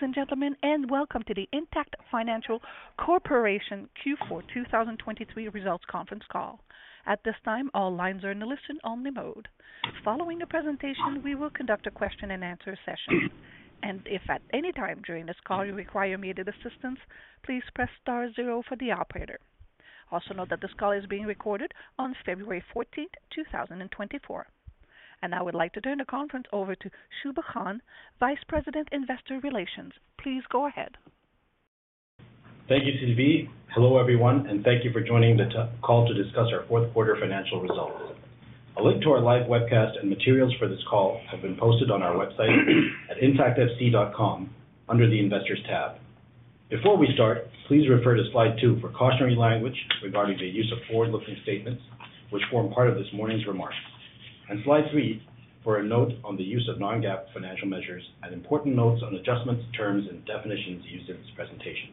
Ladies and gentlemen, and welcome to the Intact Financial Corporation Q4 2023 Results Conference Call. At this time, all lines are in a listen-only mode. Following the presentation, we will conduct a question-and-answer session, and if at any time during this call you require immediate assistance, please press star zero for the operator. Also note that this call is being recorded on February 14, 2024. And now I would like to turn the conference over to Shubha Khan, Vice President, Investor Relations. Please go ahead. Thank you, Sylvie. Hello everyone, and thank you for joining the call to discuss our fourth-quarter financial results. A link to our live webcast and materials for this call have been posted on our website at intactfc.com under the Investors tab. Before we start, please refer to slide two for cautionary language regarding the use of forward-looking statements, which form part of this morning's remarks, and slide three for a note on the use of non-GAAP financial measures and important notes on adjustments, terms, and definitions used in this presentation.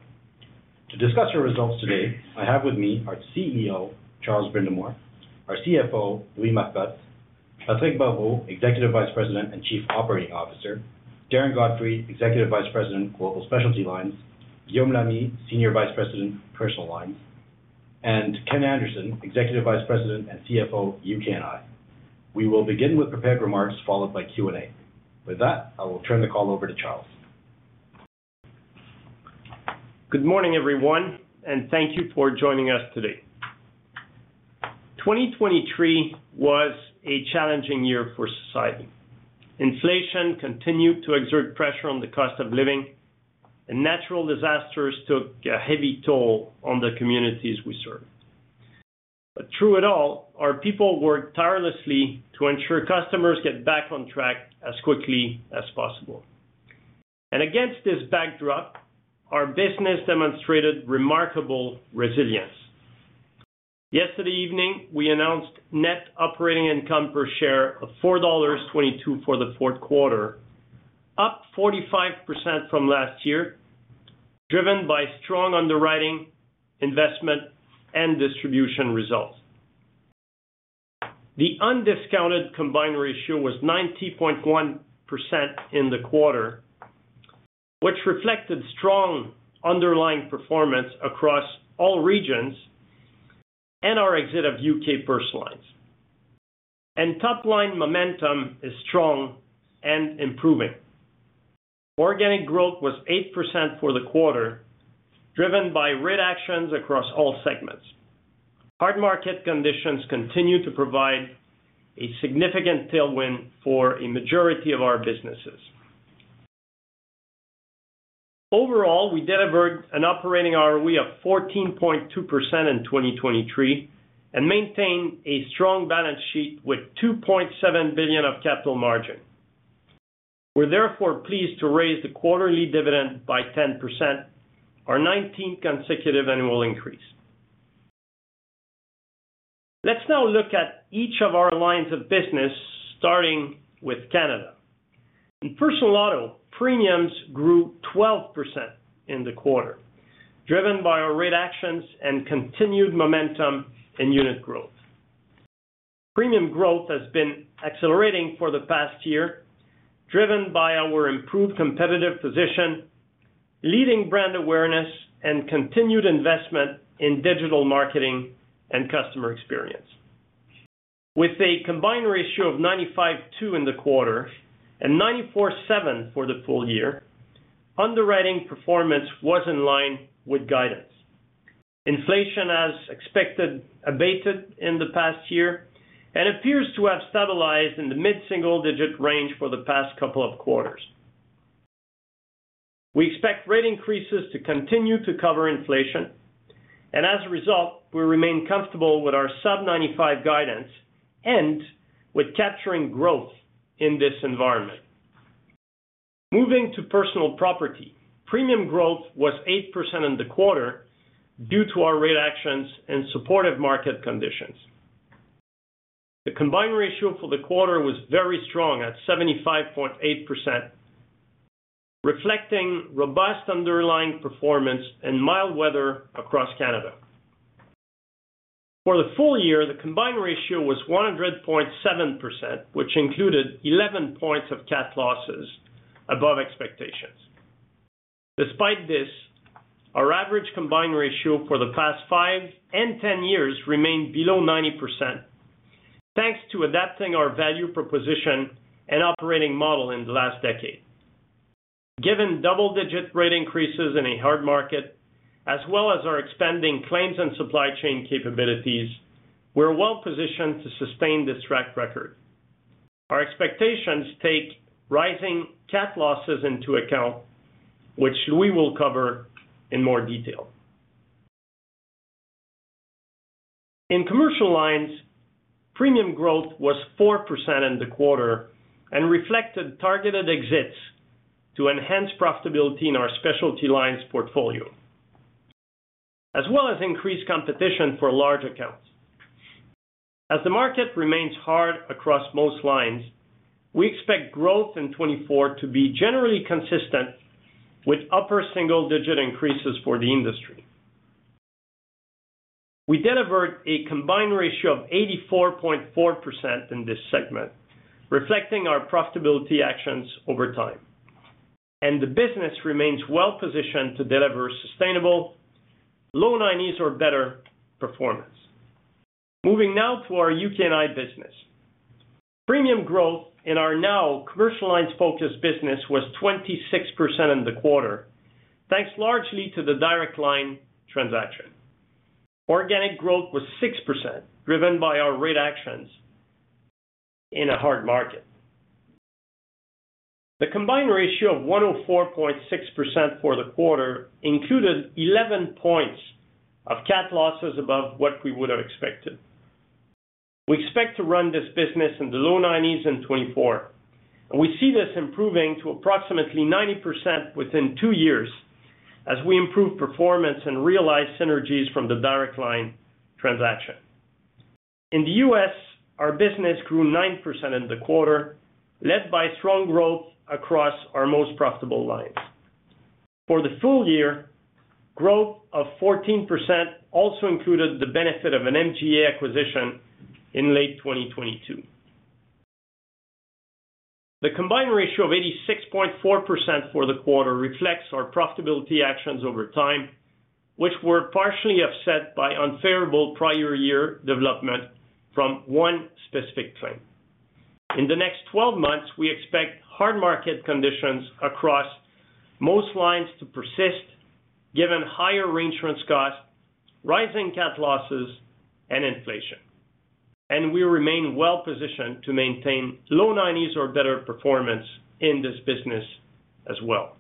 To discuss our results today, I have with me our CEO, Charles Brindamour, our CFO, Louis Marcotte, Patrick Barbeau, Executive Vice President and Chief Operating Officer, Darren Godfrey, Executive Vice President, Global Specialty Lines, Guillaume Lamy, Senior Vice President, Personal Lines, and Ken Anderson, Executive Vice President and CFO, UK&I. We will begin with prepared remarks followed by Q&A. With that, I will turn the call over to Charles. Good morning everyone, and thank you for joining us today. 2023 was a challenging year for society. Inflation continued to exert pressure on the cost of living, and natural disasters took a heavy toll on the communities we serve. But through it all, our people worked tirelessly to ensure customers get back on track as quickly as possible. And against this backdrop, our business demonstrated remarkable resilience. Yesterday evening, we announced net operating income per share of 4.22 dollars for the fourth quarter, up 45% from last year, driven by strong underwriting, investment, and distribution results. The undiscounted combined ratio was 90.1% in the quarter, which reflected strong underlying performance across all regions and our exit of U.K. personal lines. And top-line momentum is strong and improving. Organic growth was 8% for the quarter, driven by rate actions across all segments. Hard market conditions continue to provide a significant tailwind for a majority of our businesses. Overall, we delivered an operating ROE of 14.2% in 2023 and maintained a strong balance sheet with 2.7 billion of capital margin. We're therefore pleased to raise the quarterly dividend by 10%, our 19th consecutive annual increase. Let's now look at each of our lines of business, starting with Canada. In personal auto, premiums grew 12% in the quarter, driven by our rate actions and continued momentum in unit growth. Premium growth has been accelerating for the past year, driven by our improved competitive position, leading brand awareness, and continued investment in digital marketing and customer experience. With a combined ratio of 95.2 in the quarter and 94.7 for the full year, underwriting performance was in line with guidance. Inflation, as expected, abated in the past year and appears to have stabilized in the mid-single-digit range for the past couple of quarters. We expect rate increases to continue to cover inflation, and as a result, we remain comfortable with our sub-95 guidance and with capturing growth in this environment. Moving to personal property, premium growth was 8% in the quarter due to our rate actions and supportive market conditions. The combined ratio for the quarter was very strong at 75.8%, reflecting robust underlying performance and mild weather across Canada. For the full year, the combined ratio was 100.7%, which included 11 points of cat losses above expectations. Despite this, our average combined ratio for the past five and 10 years remained below 90%, thanks to adapting our value proposition and operating model in the last decade. Given double-digit rate increases in a hard market, as well as our expanding claims and supply chain capabilities, we're well positioned to sustain this track record. Our expectations take rising cat losses into account, which we will cover in more detail. In commercial lines, premium growth was 4% in the quarter and reflected targeted exits to enhance profitability in our specialty lines portfolio, as well as increased competition for large accounts. As the market remains hard across most lines, we expect growth in 2024 to be generally consistent with upper single-digit increases for the industry. We delivered a combined ratio of 84.4% in this segment, reflecting our profitability actions over time, and the business remains well positioned to deliver sustainable, low-90s, or better performance. Moving now to our UK&I business. Premium growth in our now commercial lines-focused business was 26% in the quarter, thanks largely to the Direct Line transaction. Organic growth was 6%, driven by our rate actions in a hard market. The combined ratio of 104.6% for the quarter included 11 points of cat losses above what we would have expected. We expect to run this business in the low-90s in 2024, and we see this improving to approximately 90% within two years as we improve performance and realize synergies from the Direct Line transaction. In the U.S., our business grew 9% in the quarter, led by strong growth across our most profitable lines. For the full year, growth of 14% also included the benefit of an MGA acquisition in late 2022. The combined ratio of 86.4% for the quarter reflects our profitability actions over time, which were partially offset by unfavorable prior-year development from one specific claim. In the next 12 months, we expect hard market conditions across most lines to persist, given higher reinsurance costs, rising CAT losses, and inflation. We remain well positioned to maintain low-90s or better performance in this business as well.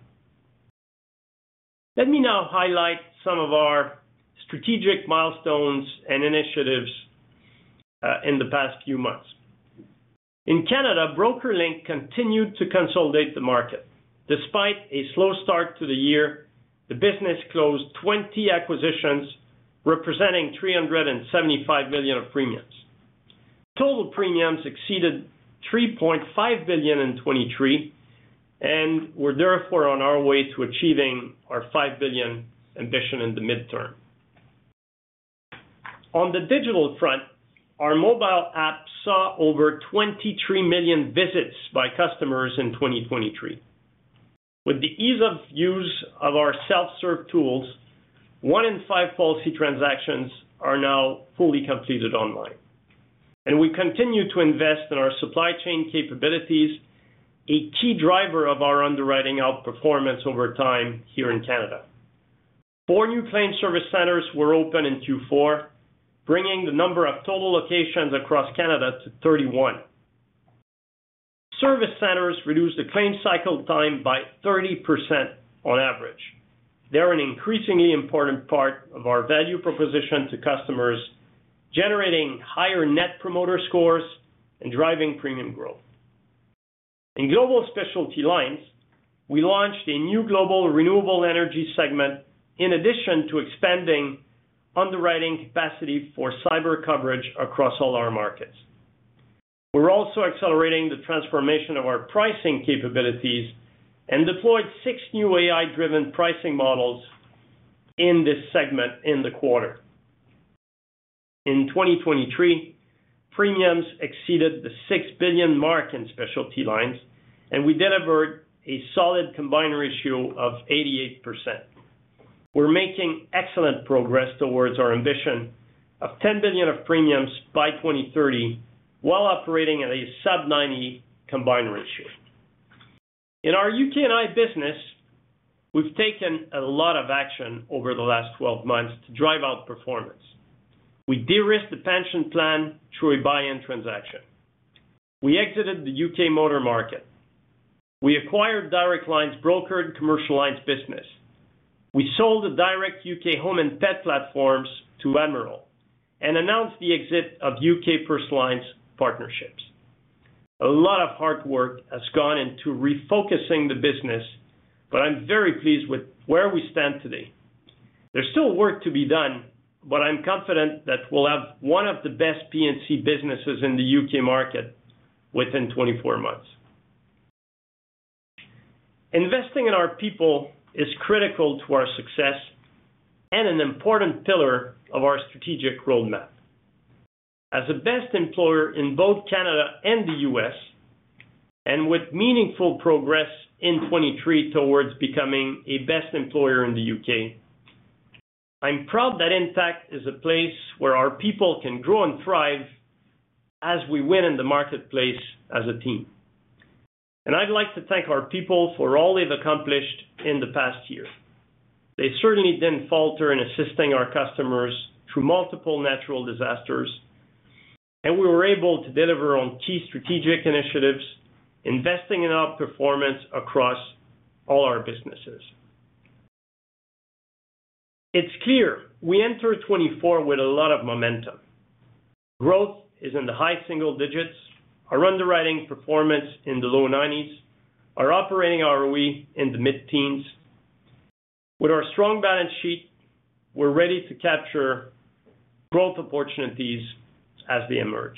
Let me now highlight some of our strategic milestones and initiatives in the past few months. In Canada, BrokerLink continued to consolidate the market. Despite a slow start to the year, the business closed 20 acquisitions, representing 375 million of premiums. Total premiums exceeded 3.5 billion in 2023 and were therefore on our way to achieving our 5 billion ambition in the midterm. On the digital front, our mobile app saw over 23 million visits by customers in 2023. With the ease of use of our self-serve tools, one in five policy transactions are now fully completed online. We continue to invest in our supply chain capabilities, a key driver of our underwriting outperformance over time here in Canada. Four new claim service centers were open in Q4, bringing the number of total locations across Canada to 31. Service centers reduce the claim cycle time by 30% on average. They're an increasingly important part of our value proposition to customers, generating higher Net Promoter Scores and driving premium growth. In global specialty lines, we launched a new global renewable energy segment in addition to expanding underwriting capacity for cyber coverage across all our markets. We're also accelerating the transformation of our pricing capabilities and deployed six new AI-driven pricing models in this segment in the quarter. In 2023, premiums exceeded the 6 billion mark in specialty lines, and we delivered a solid combined ratio of 88%. We're making excellent progress towards our ambition of 10 billion of premiums by 2030 while operating at a sub-90 combined ratio. In our UK&I business, we've taken a lot of action over the last 12 months to drive out performance. We de-risked the pension plan through a buy-in transaction. We exited the U.K. motor market. We acquired Direct Line's brokered commercial lines business. We sold the direct U.K. home and pet platforms to Admiral and announced the exit of U.K. personal lines partnerships. A lot of hard work has gone into refocusing the business, but I'm very pleased with where we stand today. There's still work to be done, but I'm confident that we'll have one of the best P&C businesses in the U.K. market within 24 months. Investing in our people is critical to our success and an important pillar of our strategic roadmap. As a best employer in both Canada and the U.S., and with meaningful progress in 2023 towards becoming a best employer in the U.K., I'm proud that Intact is a place where our people can grow and thrive as we win in the marketplace as a team. I'd like to thank our people for all they've accomplished in the past year. They certainly didn't falter in assisting our customers through multiple natural disasters, and we were able to deliver on key strategic initiatives, investing in outperformance across all our businesses. It's clear we enter 2024 with a lot of momentum. Growth is in the high single digits, our underwriting performance in the low 90s, our operating ROE in the mid-teens. With our strong balance sheet, we're ready to capture growth opportunities as they emerge.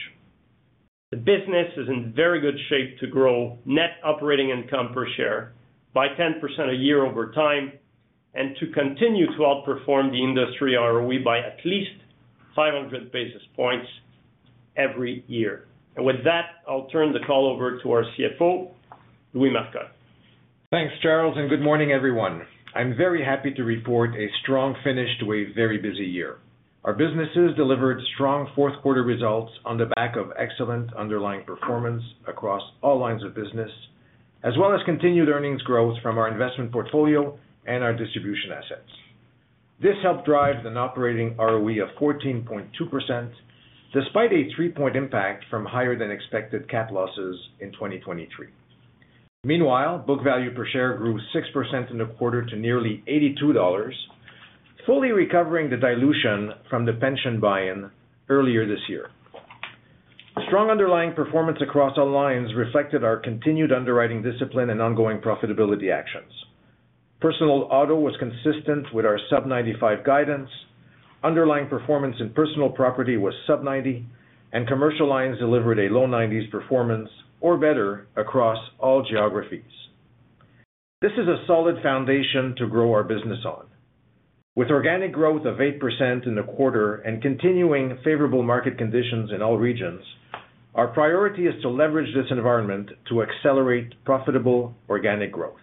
The business is in very good shape to grow net operating income per share by 10% a year over time and to continue to outperform the industry ROE by at least 500 basis points every year. With that, I'll turn the call over to our CFO, Louis Marcotte. Thanks, Charles, and good morning everyone. I'm very happy to report a strong finish to a very busy year. Our businesses delivered strong fourth-quarter results on the back of excellent underlying performance across all lines of business, as well as continued earnings growth from our investment portfolio and our distribution assets. This helped drive an operating ROE of 14.2% despite a three-point impact from higher-than-expected CAT losses in 2023. Meanwhile, book value per share grew 6% in the quarter to nearly 82 dollars, fully recovering the dilution from the pension buy-in earlier this year. Strong underlying performance across all lines reflected our continued underwriting discipline and ongoing profitability actions. Personal auto was consistent with our sub-95 guidance, underlying performance in personal property was sub-90, and commercial lines delivered a low 90s performance, or better, across all geographies. This is a solid foundation to grow our business on. With organic growth of 8% in the quarter and continuing favorable market conditions in all regions, our priority is to leverage this environment to accelerate profitable organic growth.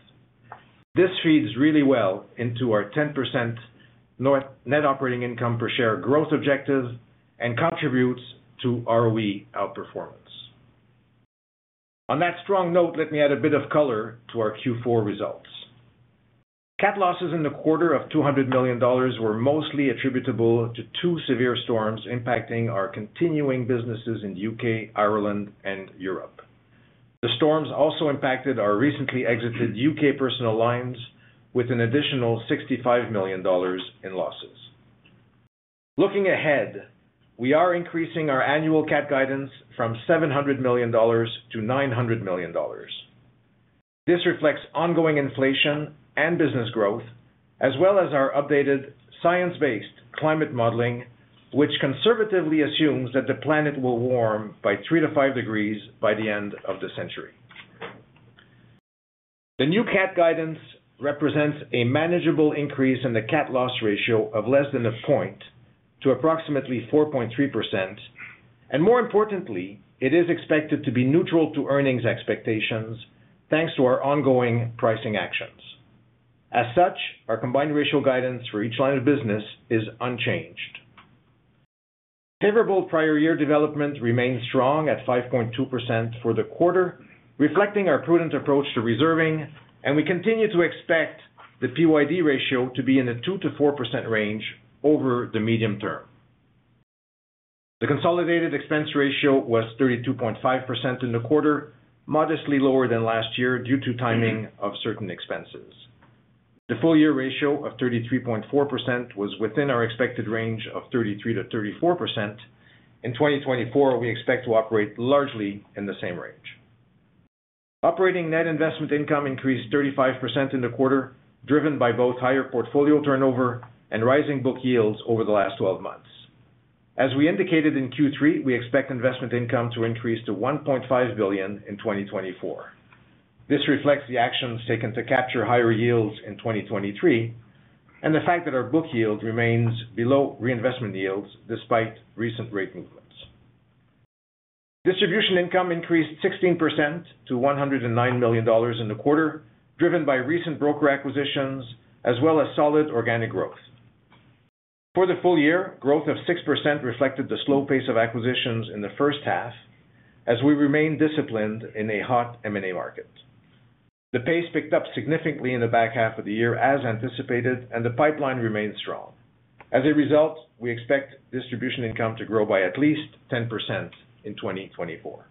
This feeds really well into our 10% net operating income per share growth objective and contributes to ROE outperformance. On that strong note, let me add a bit of color to our Q4 results. Cat losses in the quarter of 200 million dollars were mostly attributable to two severe storms impacting our continuing businesses in the U.K., Ireland, and Europe. The storms also impacted our recently exited U.K. personal lines with an additional 65 million dollars in losses. Looking ahead, we are increasing our annual CAT guidance from 700 million-900 million dollars. This reflects ongoing inflation and business growth, as well as our updated science-based climate modeling, which conservatively assumes that the planet will warm by three to five degrees by the end of the century. The new CAT guidance represents a manageable increase in the CAT loss ratio of less than a point to approximately 4.3%, and more importantly, it is expected to be neutral to earnings expectations thanks to our ongoing pricing actions. As such, our combined ratio guidance for each line of business is unchanged. Favorable prior-year development remains strong at 5.2% for the quarter, reflecting our prudent approach to reserving, and we continue to expect the PYD ratio to be in the 2%-4% range over the medium term. The consolidated expense ratio was 32.5% in the quarter, modestly lower than last year due to timing of certain expenses. The full-year ratio of 33.4% was within our expected range of 33%-34%. In 2024, we expect to operate largely in the same range. Operating net investment income increased 35% in the quarter, driven by both higher portfolio turnover and rising book yields over the last 12 months. As we indicated in Q3, we expect investment income to increase to 1.5 billion in 2024. This reflects the actions taken to capture higher yields in 2023 and the fact that our book yield remains below reinvestment yields despite recent rate movements. Distribution income increased 16% to 109 million dollars in the quarter, driven by recent broker acquisitions as well as solid organic growth. For the full year, growth of 6% reflected the slow pace of acquisitions in the first half as we remain disciplined in a hot M&A market. The pace picked up significantly in the back half of the year as anticipated, and the pipeline remains strong. As a result, we expect distribution income to grow by at least 10% in 2024.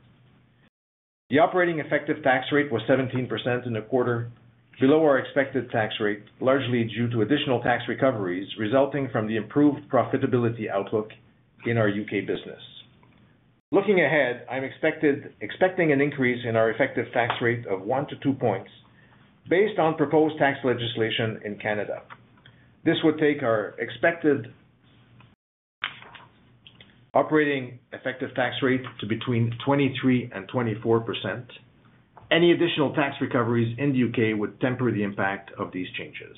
The operating effective tax rate was 17% in the quarter, below our expected tax rate, largely due to additional tax recoveries resulting from the improved profitability outlook in our U.K. business. Looking ahead, I'm expecting an increase in our effective tax rate of one to two points based on proposed tax legislation in Canada. This would take our expected operating effective tax rate to between 23%-24%. Any additional tax recoveries in the U.K. would temper the impact of these changes.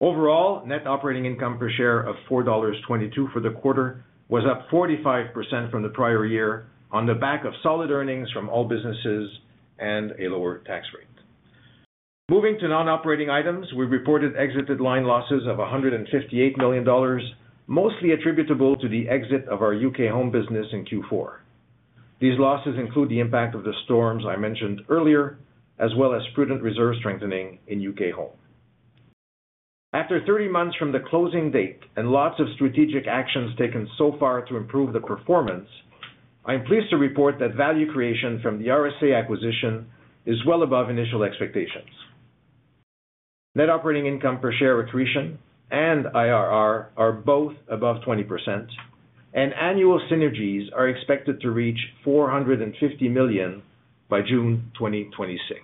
Overall, net operating income per share of 4.22 dollars for the quarter was up 45% from the prior year on the back of solid earnings from all businesses and a lower tax rate. Moving to non-operating items, we reported exited line losses of 158 million dollars, mostly attributable to the exit of our U.K. home business in Q4. These losses include the impact of the storms I mentioned earlier, as well as prudent reserve strengthening in U.K. home. After 30 months from the closing date and lots of strategic actions taken so far to improve the performance, I'm pleased to report that value creation from the RSA acquisition is well above initial expectations. Net operating income per share accretion and IRR are both above 20%, and annual synergies are expected to reach 450 million by June 2026.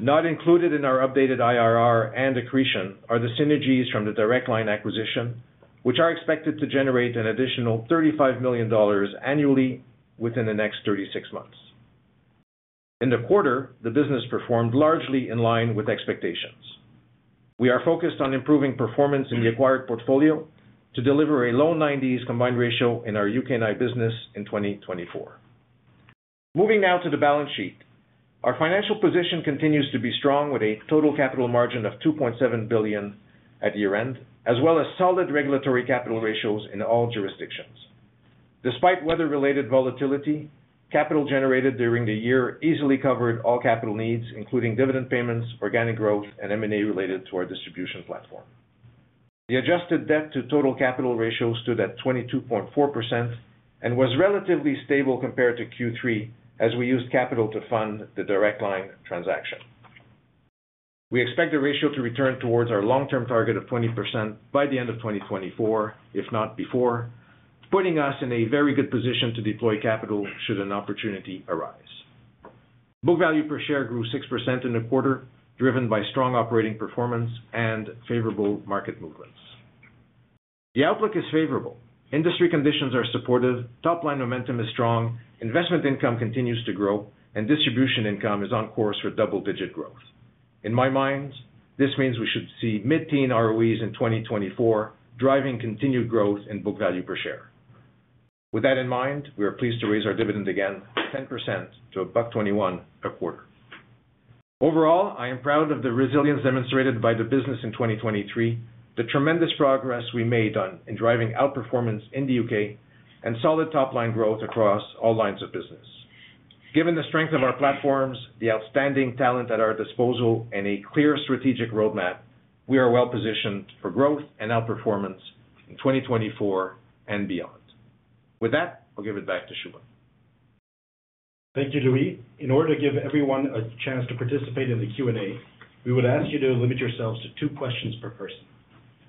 Not included in our updated IRR and accretion are the synergies from the Direct Line acquisition, which are expected to generate an additional 35 million dollars annually within the next 36 months. In the quarter, the business performed largely in line with expectations. We are focused on improving performance in the acquired portfolio to deliver a low 90s combined ratio in our UK&I business in 2024. Moving now to the balance sheet, our financial position continues to be strong with a total capital margin of 2.7 billion at year-end, as well as solid regulatory capital ratios in all jurisdictions. Despite weather-related volatility, capital generated during the year easily covered all capital needs, including dividend payments, organic growth, and M&A related to our distribution platform. The adjusted debt-to-total capital ratio stood at 22.4% and was relatively stable compared to Q3 as we used capital to fund the Direct Line transaction. We expect the ratio to return towards our long-term target of 20% by the end of 2024, if not before, putting us in a very good position to deploy capital should an opportunity arise. Book value per share grew 6% in the quarter, driven by strong operating performance and favorable market movements. The outlook is favorable. Industry conditions are supportive, top-line momentum is strong, investment income continues to grow, and distribution income is on course for double-digit growth. In my mind, this means we should see mid-teen ROEs in 2024 driving continued growth in book value per share. With that in mind, we are pleased to raise our dividend again 10% to 1.21 a quarter. Overall, I am proud of the resilience demonstrated by the business in 2023, the tremendous progress we made in driving outperformance in the U.K., and solid top-line growth across all lines of business. Given the strength of our platforms, the outstanding talent at our disposal, and a clear strategic roadmap, we are well-positioned for growth and outperformance in 2024 and beyond. With that, I'll give it back to Shubha. Thank you, Louis. In order to give everyone a chance to participate in the Q&A, we would ask you to limit yourselves to two questions per person.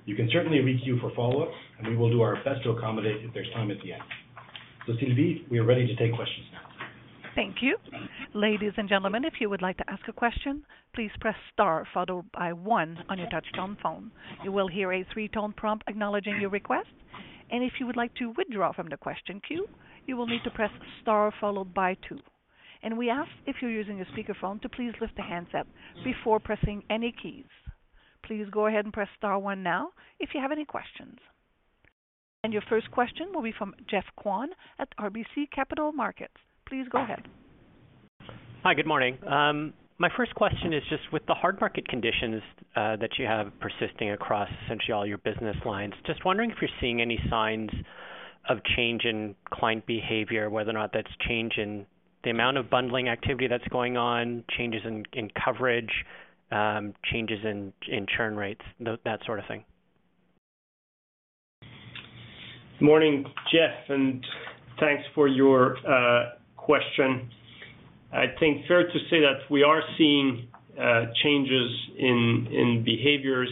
You can certainly requeue for follow-ups, and we will do our best to accommodate if there's time at the end. So, Sylvie, we are ready to take questions now. Thank you. Ladies and gentlemen, if you would like to ask a question, please press star followed by one on your touch-tone phone. You will hear a three-tone prompt acknowledging your request. And if you would like to withdraw from the question queue, you will need to press star followed by two. And we ask if you're using a speakerphone to please lift the handset before pressing any keys. Please go ahead and press star one now if you have any questions. And your first question will be from Geoffrey Kwan at RBC Capital Markets. Please go ahead. Hi, good morning. My first question is just with the hard market conditions that you have persisting across essentially all your business lines, just wondering if you're seeing any signs of change in client behavior, whether or not that's change in the amount of bundling activity that's going on, changes in coverage, changes in churn rates, that sort of thing? Good morning, Geoff, and thanks for your question. I think fair to say that we are seeing changes in behaviors.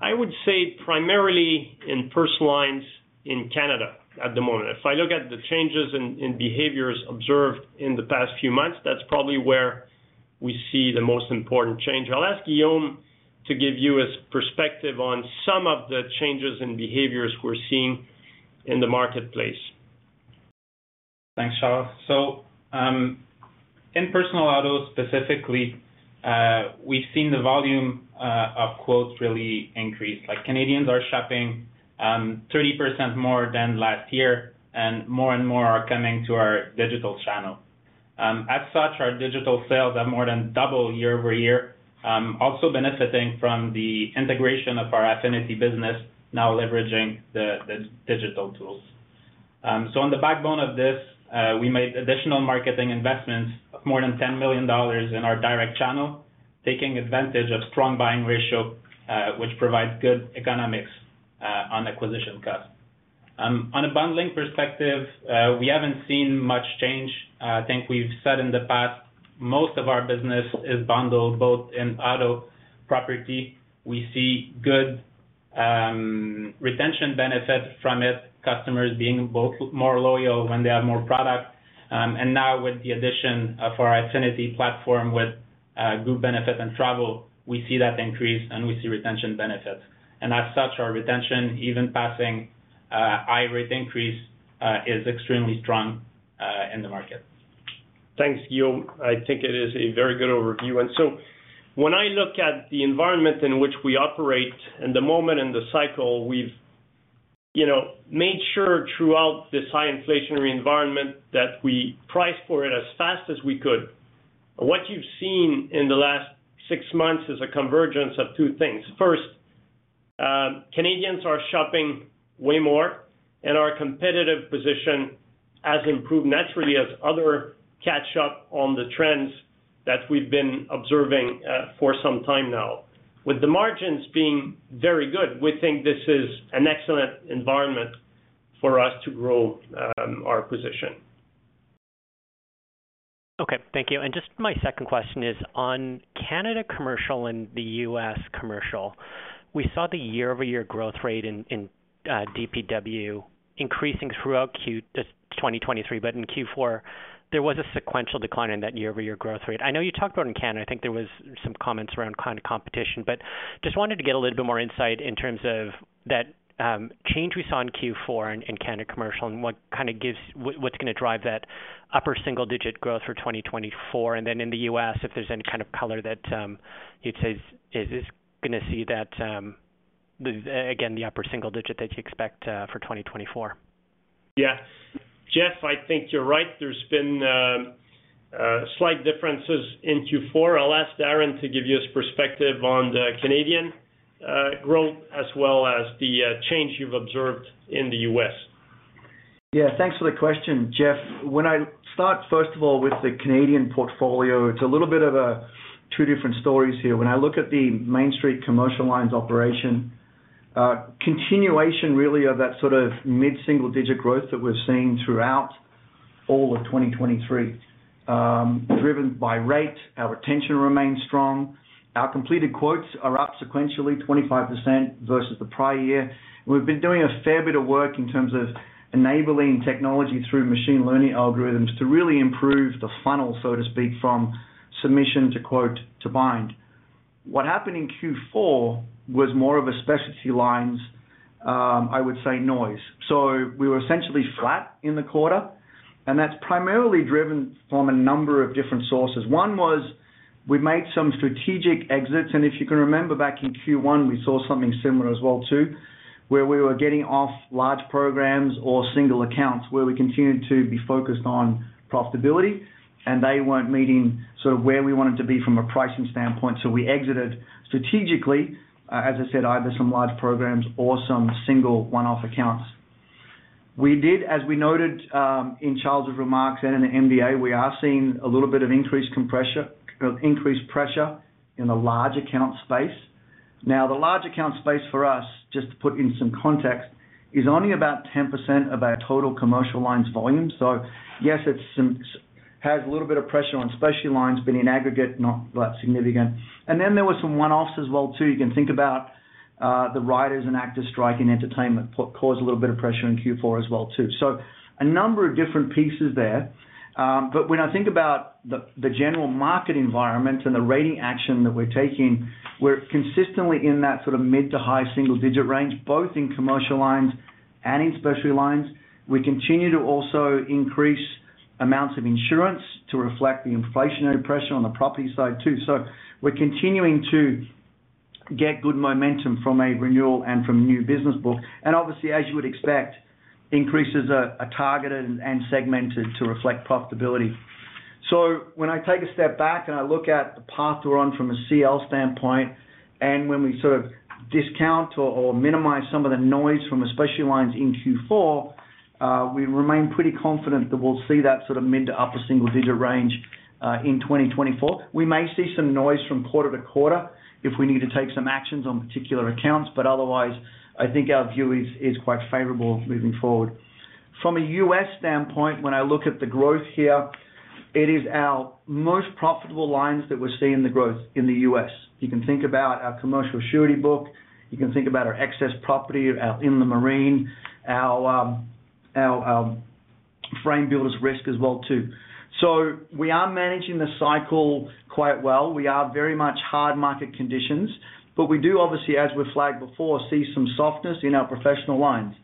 I would say primarily in personal lines in Canada at the moment. If I look at the changes in behaviors observed in the past few months, that's probably where we see the most important change. I'll ask Guillaume to give you his perspective on some of the changes in behaviors we're seeing in the marketplace. Thanks, Charles. So in personal auto specifically, we've seen the volume of quotes really increase. Canadians are shopping 30% more than last year, and more and more are coming to our digital channel. As such, our digital sales have more than doubled year-over-year, also benefiting from the integration of our affinity business now leveraging the digital tools. So on the backbone of this, we made additional marketing investments of more than 10 million dollars in our direct channel, taking advantage of strong buying ratio, which provides good economics on acquisition costs. On a bundling perspective, we haven't seen much change. I think we've said in the past most of our business is bundled both in auto property. We see good retention benefit from it, customers being more loyal when they have more product. Now with the addition of our affinity platform with group benefit and travel, we see that increase, and we see retention benefits. As such, our retention, even passing a high-rate increase, is extremely strong in the market. Thanks, Guillaume. I think it is a very good overview. And so when I look at the environment in which we operate and the moment in the cycle, we've made sure throughout this high inflationary environment that we priced for it as fast as we could. What you've seen in the last six months is a convergence of two things. First, Canadians are shopping way more, and our competitive position has improved naturally as others catch up on the trends that we've been observing for some time now. With the margins being very good, we think this is an excellent environment for us to grow our position. Okay, thank you. And just my second question is on Canada commercial and the U.S. commercial. We saw the year-over-year growth rate in DPW increasing throughout 2023, but in Q4, there was a sequential decline in that year-over-year growth rate. I know you talked about in Canada. I think there was some comments around kind of competition, but just wanted to get a little bit more insight in terms of that change we saw in Q4 in Canada commercial and what kind of gives what's going to drive that upper single-digit growth for 2024. And then in the U.S., if there's any kind of color that you'd say is going to see that, again, the upper single digit that you expect for 2024. Yeah. Geoff, I think you're right. There's been slight differences in Q4. I'll ask Darren to give you his perspective on the Canadian growth as well as the change you've observed in the U.S. Yeah, thanks for the question. Geoff, when I start, first of all, with the Canadian portfolio, it's a little bit of two different stories here. When I look at the Main Street commercial lines operation, continuation really of that sort of mid-single-digit growth that we've seen throughout all of 2023, driven by rate, our retention remains strong, our completed quotes are up sequentially 25% versus the prior year. We've been doing a fair bit of work in terms of enabling technology through machine learning algorithms to really improve the funnel, so to speak, from submission to quote to bind. What happened in Q4 was more of a specialty lines, I would say, noise. So we were essentially flat in the quarter, and that's primarily driven from a number of different sources. One was we made some strategic exits. And if you can remember, back in Q1, we saw something similar as well, too, where we were getting off large programs or single accounts where we continued to be focused on profitability, and they weren't meeting sort of where we wanted to be from a pricing standpoint. We exited strategically, as I said, either some large programs or some single one-off accounts. We did, as we noted in Charles's remarks and in the MD&A, we are seeing a little bit of increased pressure in the large account space. Now, the large account space for us, just to put in some context, is only about 10% of our total commercial lines volume. Yes, it has a little bit of pressure on specialty lines, but in aggregate, not that significant. Then there were some one-offs as well, too. You can think about the writers and actors strike in entertainment caused a little bit of pressure in Q4 as well, too. So a number of different pieces there. But when I think about the general market environment and the rating action that we're taking, we're consistently in that sort of mid to high single-digit range, both in commercial lines and in specialty lines. We continue to also increase amounts of insurance to reflect the inflationary pressure on the property side, too. So we're continuing to get good momentum from a renewal and from new business book. And obviously, as you would expect, increases are targeted and segmented to reflect profitability. So when I take a step back and I look at the path we're on from a CL standpoint, and when we sort of discount or minimize some of the noise from especially lines in Q4, we remain pretty confident that we'll see that sort of mid- to upper-single-digit range in 2024. We may see some noise from quarter to quarter if we need to take some actions on particular accounts. But otherwise, I think our view is quite favorable moving forward. From a U.S. standpoint, when I look at the growth here, it is our most profitable lines that we're seeing the growth in the U.S. You can think about our commercial surety book. You can think about our excess property, our inland marine, our builder's risk as well, too. So we are managing the cycle quite well. We are very much in hard market conditions. But we do, obviously, as we've flagged before, see some softness in our professional lines.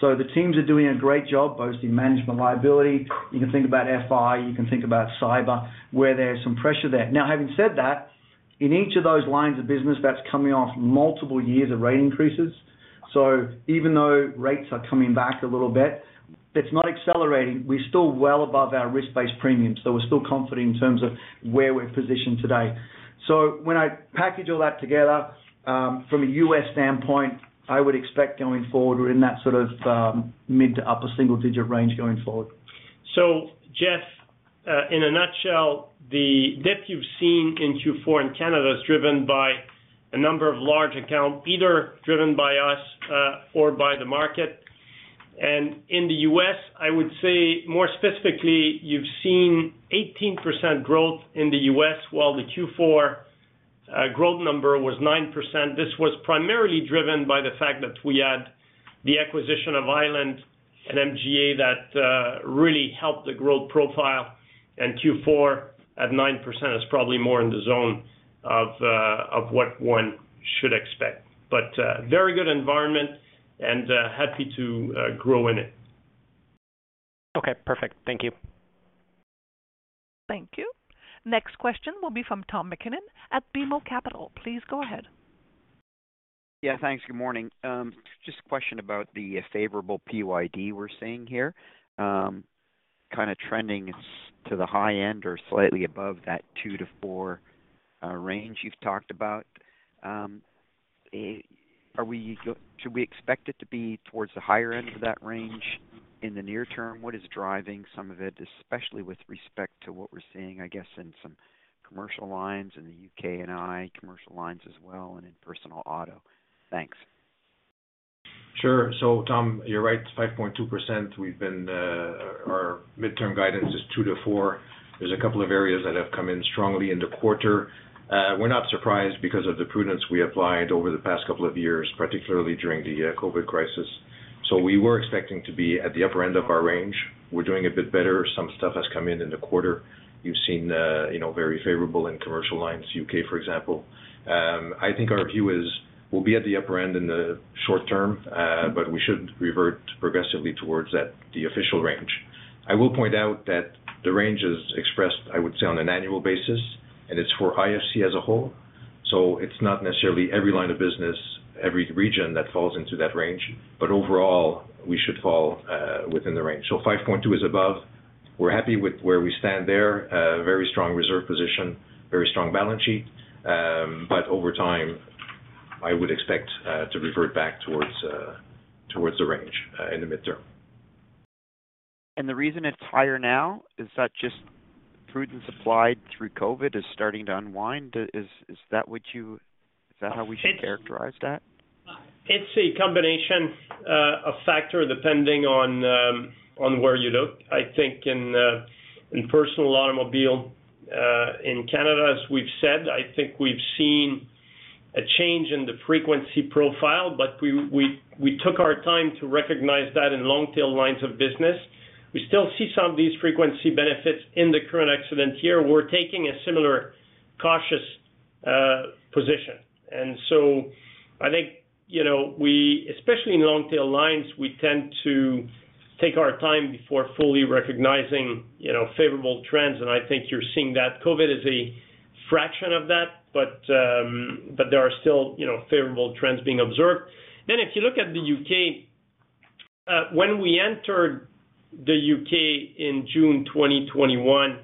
So the teams are doing a great job both in management liability. You can think about FI. You can think about cyber, where there's some pressure there. Now, having said that, in each of those lines of business, that's coming off multiple years of rate increases. So even though rates are coming back a little bit, it's not accelerating. We're still well above our risk-based premiums. So we're still confident in terms of where we're positioned today. So when I package all that together, from a U.S. standpoint, I would expect going forward we're in that sort of mid to upper single-digit range going forward. So Geoff, in a nutshell, the dip you've seen in Q4 in Canada is driven by a number of large accounts, either driven by us or by the market. In the U.S., I would say more specifically, you've seen 18% growth in the U.S., while the Q4 growth number was 9%. This was primarily driven by the fact that we had the acquisition of Highland, an MGA that really helped the growth profile. Q4 at 9% is probably more in the zone of what one should expect. But very good environment and happy to grow in it. Okay, perfect. Thank you. Thank you. Next question will be from Tom MacKinnon at BMO Capital. Please go ahead. Yeah, thanks. Good morning. Just a question about the favorable PYD we're seeing here, kind of trending to the high end or slightly above that two to four range you've talked about. Should we expect it to be towards the higher end of that range in the near term? What is driving some of it, especially with respect to what we're seeing, I guess, in some commercial lines in the U.K. and commercial lines as well, and in personal auto? Thanks. Sure. So Tom, you're right. It's 5.2%. Our midterm guidance is 2%-4%. There's a couple of areas that have come in strongly in the quarter. We're not surprised because of the prudence we applied over the past couple of years, particularly during the COVID crisis. So we were expecting to be at the upper end of our range. We're doing a bit better. Some stuff has come in in the quarter. You've seen very favorable in commercial lines, U.K., for example. I think our view is we'll be at the upper end in the short term, but we should revert progressively towards the official range. I will point out that the range is expressed, I would say, on an annual basis, and it's for IFC as a whole. So it's not necessarily every line of business, every region that falls into that range. Overall, we should fall within the range. 5.2 is above. We're happy with where we stand there, very strong reserve position, very strong balance sheet. But over time, I would expect to revert back towards the range in the midterm. The reason it's higher now is that just prudence applied through COVID is starting to unwind? Is that what you is that how we should characterize that? It's a combination of factors, depending on where you look. I think in personal automobile in Canada, as we've said, I think we've seen a change in the frequency profile. But we took our time to recognize that in long-tail lines of business. We still see some of these frequency benefits in the current accident year. We're taking a similar cautious position. And so I think especially in long-tail lines, we tend to take our time before fully recognizing favorable trends. And I think you're seeing that. COVID is a fraction of that, but there are still favorable trends being observed. Then if you look at the U.K., when we entered the U.K. in June 2021,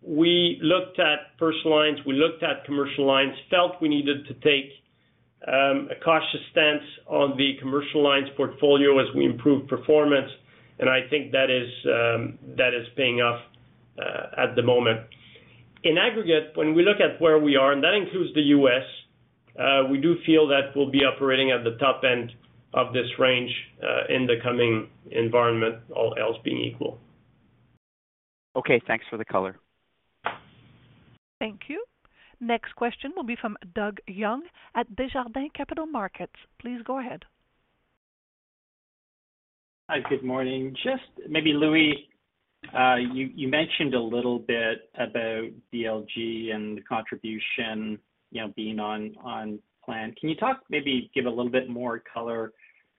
we looked at personal lines. We looked at commercial lines, felt we needed to take a cautious stance on the commercial lines portfolio as we improved performance. I think that is paying off at the moment. In aggregate, when we look at where we are, and that includes the U.S., we do feel that we'll be operating at the top end of this range in the coming environment, all else being equal. Okay, thanks for the color. Thank you. Next question will be from Doug Young at Desjardins Capital Markets. Please go ahead. Hi, good morning. Just maybe, Louis, you mentioned a little bit about DLG and the contribution being on plan. Can you talk maybe give a little bit more color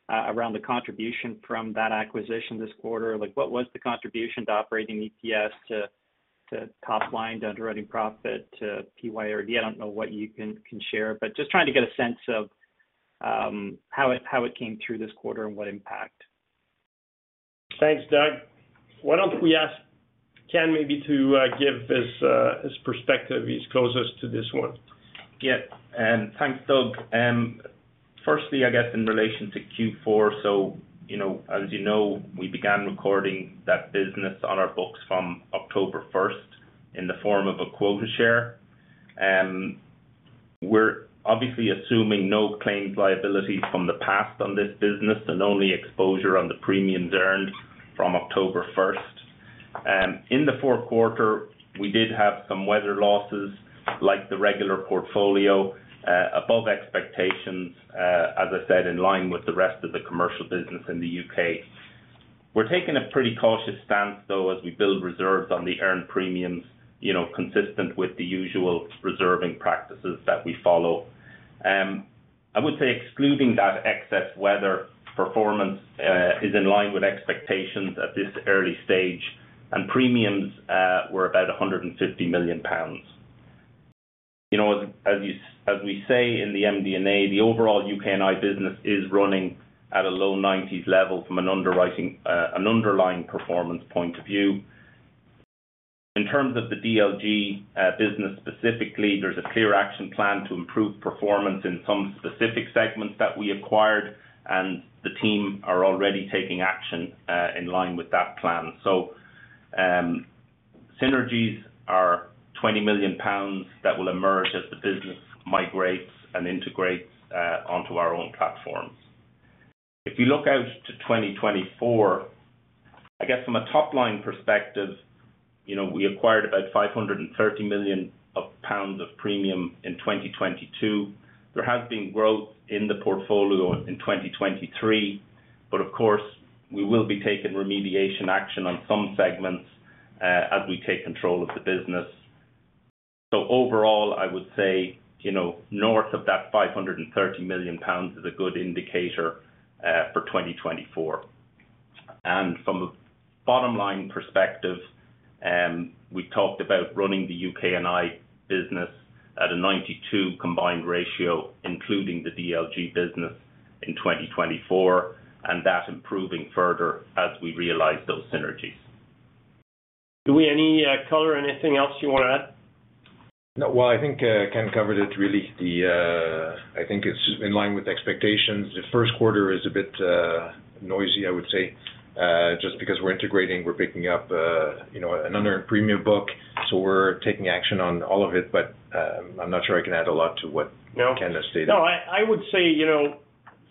around the contribution from that acquisition this quarter? What was the contribution to operating EPS, to top line, to underwriting profit, to PYD? I don't know what you can share, but just trying to get a sense of how it came through this quarter and what impact. Thanks, Doug. Why don't we ask Ken maybe to give his perspective, his closest to this one? Yeah, thanks, Doug. Firstly, I guess in relation to Q4, so as you know, we began recording that business on our books from October 1st in the form of a quota share. We're obviously assuming no claimed liabilities from the past on this business and only exposure on the premiums earned from October 1st. In the fourth quarter, we did have some weather losses like the regular portfolio, above expectations, as I said, in line with the rest of the commercial business in the U.K. We're taking a pretty cautious stance, though, as we build reserves on the earned premiums, consistent with the usual reserving practices that we follow. I would say excluding that excess weather, performance is in line with expectations at this early stage. Premiums were about 150 million pounds. As we say in the MD&A, the overall U.K. and Ireland business is running at a low 90s level from an underlying performance point of view. In terms of the DLG business specifically, there's a clear action plan to improve performance in some specific segments that we acquired. The team are already taking action in line with that plan. Synergies are 20 million pounds that will emerge as the business migrates and integrates onto our own platforms. If you look out to 2024, I guess from a top-line perspective, we acquired about 530 million pounds of premium in 2022. There has been growth in the portfolio in 2023. Of course, we will be taking remediation action on some segments as we take control of the business. Overall, I would say north of that 530 million pounds is a good indicator for 2024. From a bottom-line perspective, we talked about running the U.K. and Ireland business at a 92 combined ratio, including the DLG business in 2024, and that improving further as we realize those synergies. Louis, any color, anything else you want to add? No, well, I think Ken covered it really. I think it's in line with expectations. The first quarter is a bit noisy, I would say, just because we're integrating. We're picking up an unearned premium book. So we're taking action on all of it. But I'm not sure I can add a lot to what Ken has stated. No, I would say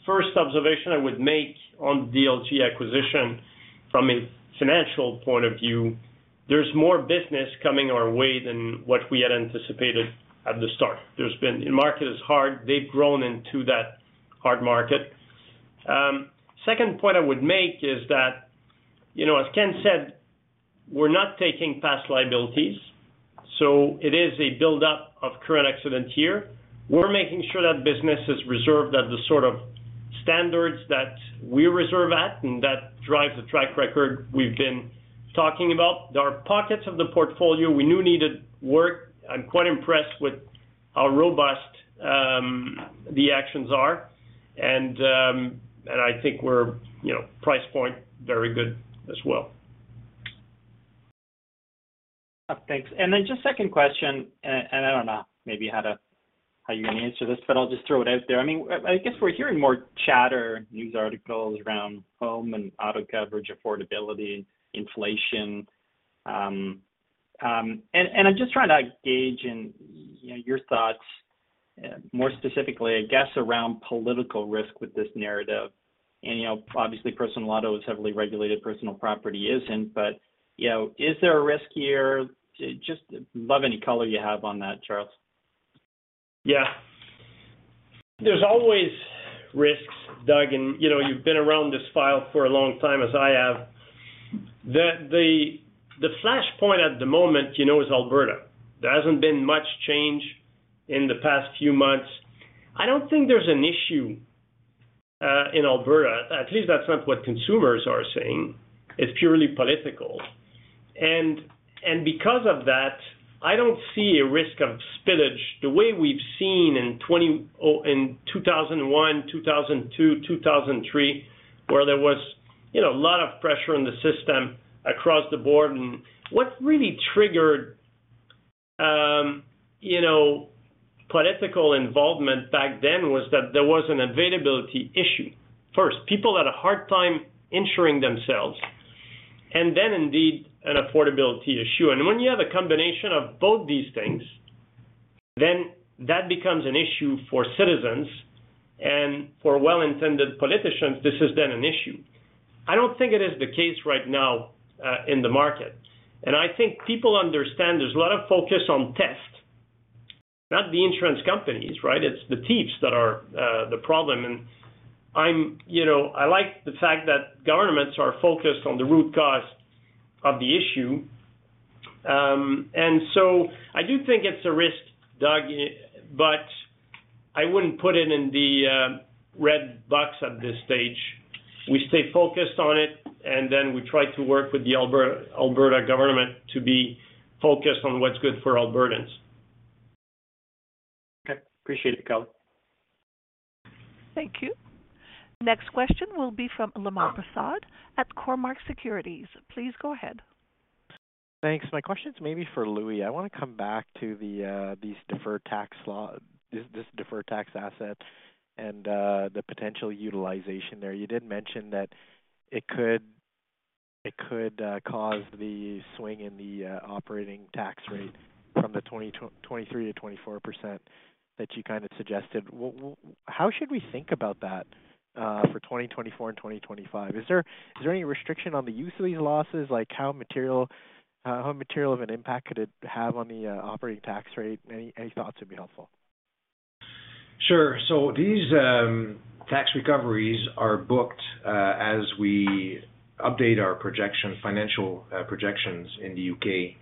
first observation I would make on the DLG acquisition, from a financial point of view, there's more business coming our way than what we had anticipated at the start. The market is hard. They've grown into that hard market. Second point I would make is that, as Ken said, we're not taking past liabilities. So it is a buildup of Current Accident Year. We're making sure that business is reserved at the sort of standards that we reserve at and that drives the track record we've been talking about. There are pockets of the portfolio we knew needed work. I'm quite impressed with how robust the actions are. And I think we're price point very good as well. Thanks. Then just second question. I don't know, maybe how you're going to answer this, but I'll just throw it out there. I mean, I guess we're hearing more chat or news articles around home and auto coverage, affordability, inflation. And I'm just trying to gauge your thoughts, more specifically, I guess, around political risk with this narrative. And obviously, personal auto is heavily regulated. Personal property isn't. But is there a risk here? I'd love any color you have on that, Charles. Yeah. There's always risks, Doug. And you've been around this file for a long time as I have. The flashpoint at the moment is Alberta. There hasn't been much change in the past few months. I don't think there's an issue in Alberta. At least that's not what consumers are saying. It's purely political. And because of that, I don't see a risk of spillage the way we've seen in 2001, 2002, 2003, where there was a lot of pressure in the system across the board. And what really triggered political involvement back then was that there was an availability issue, first, people had a hard time insuring themselves, and then indeed an affordability issue. And when you have a combination of both these things, then that becomes an issue for citizens. And for well-intended politicians, this is then an issue. I don't think it is the case right now in the market. I think people understand there's a lot of focus on theft, not the insurance companies, right? It's the thieves that are the problem. I like the fact that governments are focused on the root cause of the issue. So I do think it's a risk, Doug, but I wouldn't put it in the red box at this stage. We stay focused on it, and then we try to work with the Alberta government to be focused on what's good for Albertans. Okay. Appreciate it, Charles. Thank you. Next question will be from Lemar Persaud at Cormark Securities. Please go ahead. Thanks. My question is maybe for Louis. I want to come back to this deferred tax asset and the potential utilization there. You did mention that it could cause the swing in the operating tax rate from the 23%-24% that you kind of suggested. How should we think about that for 2024 and 2025? Is there any restriction on the use of these losses? How material of an impact could it have on the operating tax rate? Any thoughts would be helpful. Sure. These tax recoveries are booked as we update our financial projections in the U.K.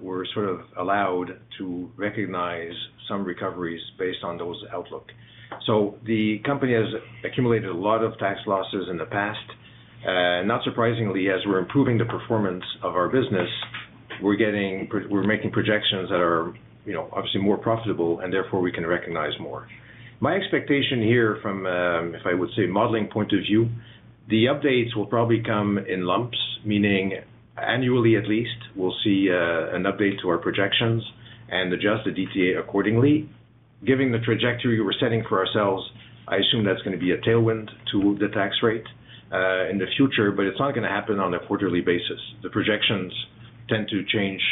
We're sort of allowed to recognize some recoveries based on those outlook. The company has accumulated a lot of tax losses in the past. Not surprisingly, as we're improving the performance of our business, we're making projections that are obviously more profitable, and therefore, we can recognize more. My expectation here from, if I would say, modeling point of view, the updates will probably come in lumps, meaning annually at least, we'll see an update to our projections and adjust the DTA accordingly. Given the trajectory we're setting for ourselves, I assume that's going to be a tailwind to the tax rate in the future. But it's not going to happen on a quarterly basis. The projections tend to change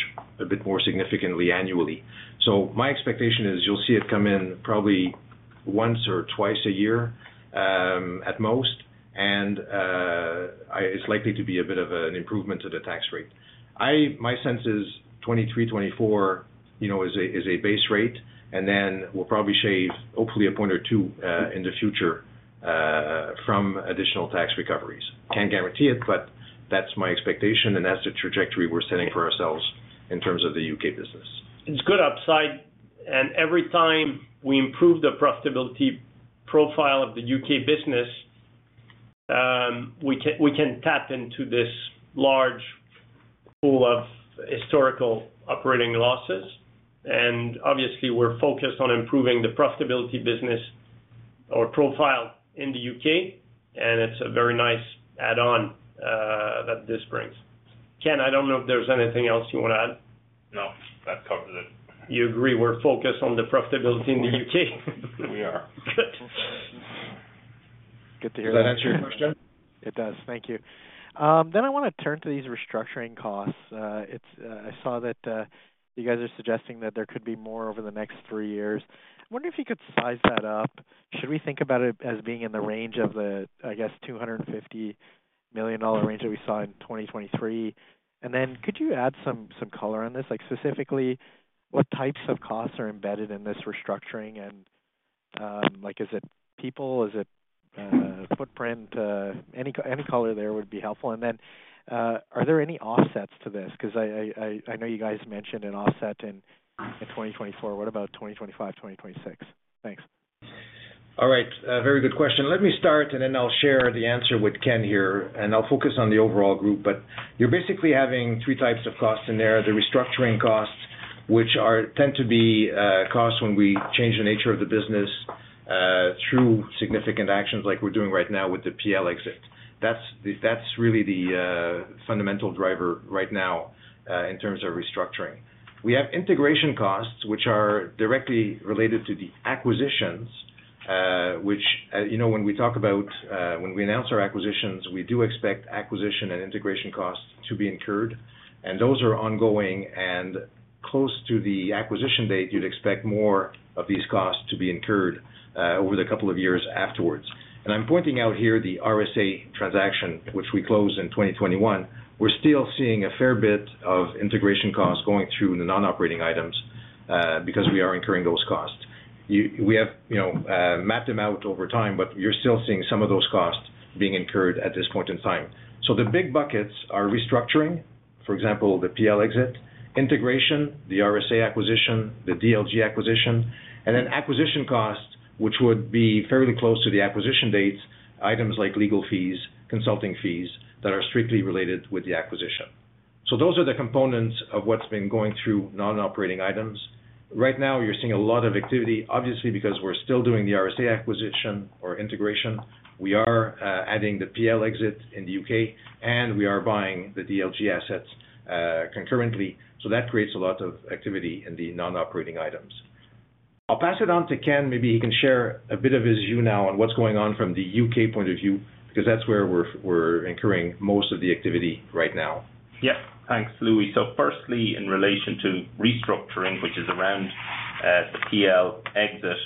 a bit more significantly annually. So my expectation is you'll see it come in probably once or twice a year at most. And it's likely to be a bit of an improvement to the tax rate. My sense is 23%-24% is a base rate. And then we'll probably shave, hopefully, a point or two in the future from additional tax recoveries. Can't guarantee it, but that's my expectation. And that's the trajectory we're setting for ourselves in terms of the U.K. business. It's good upside. Every time we improve the profitability profile of the U.K. business, we can tap into this large pool of historical operating losses. Obviously, we're focused on improving the profitability business or profile in the U.K. It's a very nice add-on that this brings. Ken, I don't know if there's anything else you want to add. No, that covers it. You agree we're focused on the profitability in the U.K.? We are. Good. Good to hear that answer your question. It does. Thank you. Then I want to turn to these restructuring costs. I saw that you guys are suggesting that there could be more over the next three years. I'm wondering if you could size that up. Should we think about it as being in the range of the, I guess, 250 million dollar range that we saw in 2023? And then could you add some color on this? Specifically, what types of costs are embedded in this restructuring? And is it people? Is it footprint? Any color there would be helpful. And then are there any offsets to this? Because I know you guys mentioned an offset in 2024. What about 2025, 2026? Thanks. All right. Very good question. Let me start, and then I'll share the answer with Ken here. I'll focus on the overall group. But you're basically having three types of costs in there. The restructuring costs, which tend to be costs when we change the nature of the business through significant actions like we're doing right now with the PL exit. That's really the fundamental driver right now in terms of restructuring. We have integration costs, which are directly related to the acquisitions, which when we talk about when we announce our acquisitions, we do expect acquisition and integration costs to be incurred. Those are ongoing. Close to the acquisition date, you'd expect more of these costs to be incurred over the couple of years afterwards. I'm pointing out here the RSA transaction, which we closed in 2021. We're still seeing a fair bit of integration costs going through the non-operating items because we are incurring those costs. We have mapped them out over time, but you're still seeing some of those costs being incurred at this point in time. So the big buckets are restructuring, for example, the PL exit, integration, the RSA acquisition, the DLG acquisition, and then acquisition costs, which would be fairly close to the acquisition dates, items like legal fees, consulting fees that are strictly related with the acquisition. So those are the components of what's been going through non-operating items. Right now, you're seeing a lot of activity, obviously, because we're still doing the RSA acquisition or integration. We are adding the PL exit in the U.K. And we are buying the DLG assets concurrently. So that creates a lot of activity in the non-operating items. I'll pass it on to Ken. Maybe he can share a bit of his view now on what's going on from the U.K. point of view because that's where we're incurring most of the activity right now. Yeah. Thanks, Louis. So firstly, in relation to restructuring, which is around the PL exit,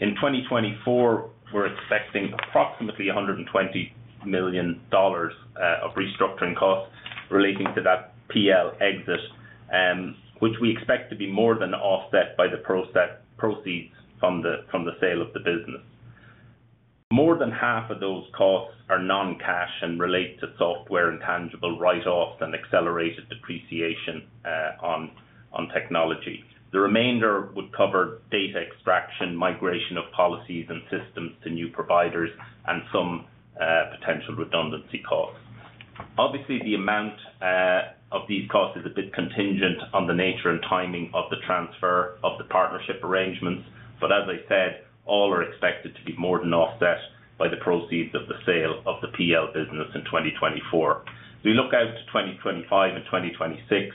in 2024, we're expecting approximately 120 million dollars of restructuring costs relating to that PL exit, which we expect to be more than offset by the proceeds from the sale of the business. More than half of those costs are non-cash and relate to software and tangible write-offs and accelerated depreciation on technology. The remainder would cover data extraction, migration of policies and systems to new providers, and some potential redundancy costs. Obviously, the amount of these costs is a bit contingent on the nature and timing of the transfer of the partnership arrangements. But as I said, all are expected to be more than offset by the proceeds of the sale of the PL business in 2024. If we look out to 2025 and 2026,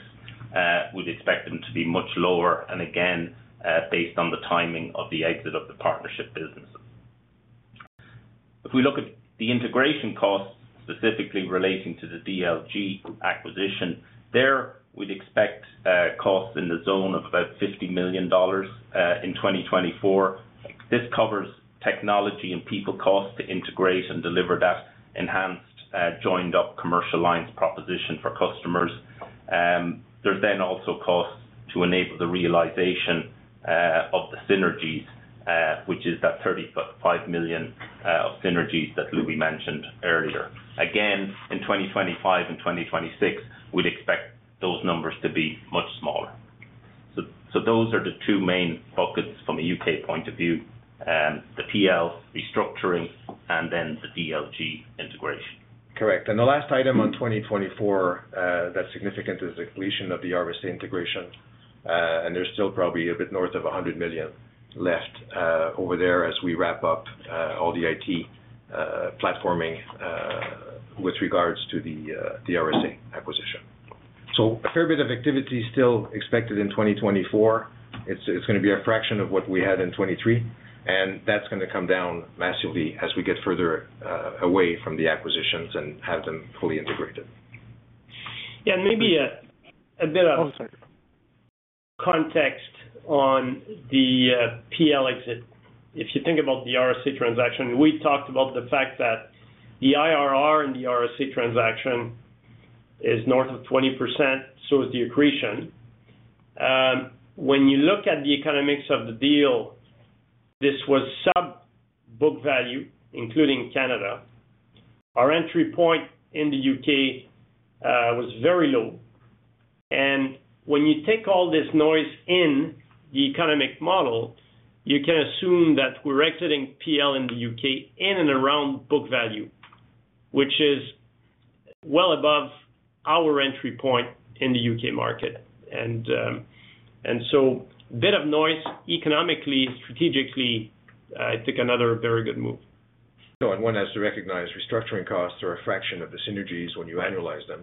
we'd expect them to be much lower, and again, based on the timing of the exit of the partnership businesses. If we look at the integration costs specifically relating to the DLG acquisition, there we'd expect costs in the zone of about 50 million dollars in 2024. This covers technology and people costs to integrate and deliver that enhanced joined-up commercial lines proposition for customers. There's then also costs to enable the realization of the synergies, which is that 35 million of synergies that Louis mentioned earlier. Again, in 2025 and 2026, we'd expect those numbers to be much smaller. So those are the two main buckets from a U.K. point of view: the PL restructuring and then the DLG integration. Correct. The last item on 2024 that's significant is the completion of the RSA integration. There's still probably a bit north of 100 million left over there as we wrap up all the IT platforming with regards to the RSA acquisition. A fair bit of activity still expected in 2024. It's going to be a fraction of what we had in 2023. That's going to come down massively as we get further away from the acquisitions and have them fully integrated. Yeah. And maybe a bit of context on the PL exit. If you think about the RSA transaction, we talked about the fact that the IRR in the RSA transaction is north of 20%. So is the accretion. When you look at the economics of the deal, this was sub-book value, including Canada. Our entry point in the U.K. was very low. And when you take all this noise in the economic model, you can assume that we're exiting PL in the U.K. in and around book value, which is well above our entry point in the U.K. market. And so, a bit of noise, economically, strategically, I think another very good move. One has to recognize restructuring costs are a fraction of the synergies when you annualize them.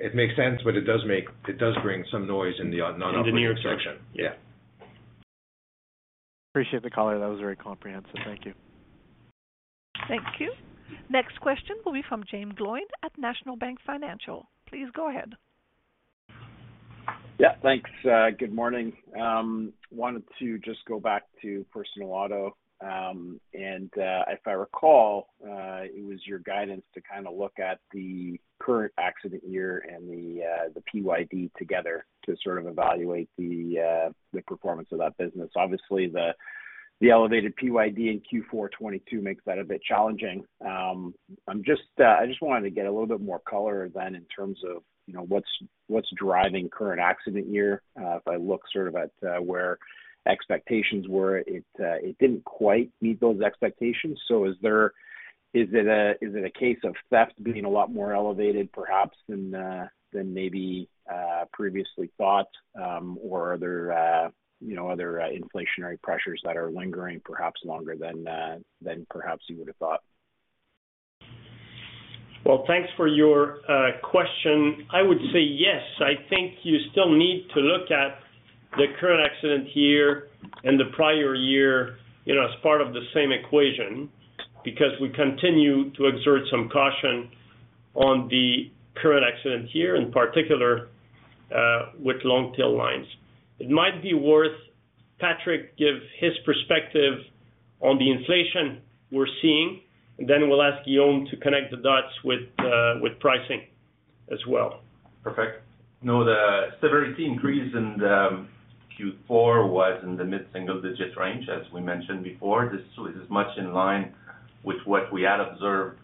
It makes sense, but it does bring some noise in the non-operating section. Yeah. Appreciate the color. That was very comprehensive. Thank you. Thank you. Next question will be from Jaeme Gloyn at National Bank Financial. Please go ahead. Yeah. Thanks. Good morning. Wanted to just go back to personal auto. If I recall, it was your guidance to kind of look at the current accident year and the PYD together to sort of evaluate the performance of that business. Obviously, the elevated PYD in Q4 2022 makes that a bit challenging. I just wanted to get a little bit more color then in terms of what's driving current accident year. If I look sort of at where expectations were, it didn't quite meet those expectations. So is it a case of theft being a lot more elevated, perhaps, than maybe previously thought? Or are there other inflationary pressures that are lingering, perhaps, longer than perhaps you would have thought? Well, thanks for your question. I would say yes. I think you still need to look at the current accident year and the prior year as part of the same equation because we continue to exert some caution on the current accident year, in particular with long-tail lines. It might be worth Patrick giving his perspective on the inflation we're seeing. Then we'll ask Guillaume to connect the dots with pricing as well. Perfect. No, the severity increase in Q4 was in the mid-single-digit range, as we mentioned before. This is as much in line with what we had observed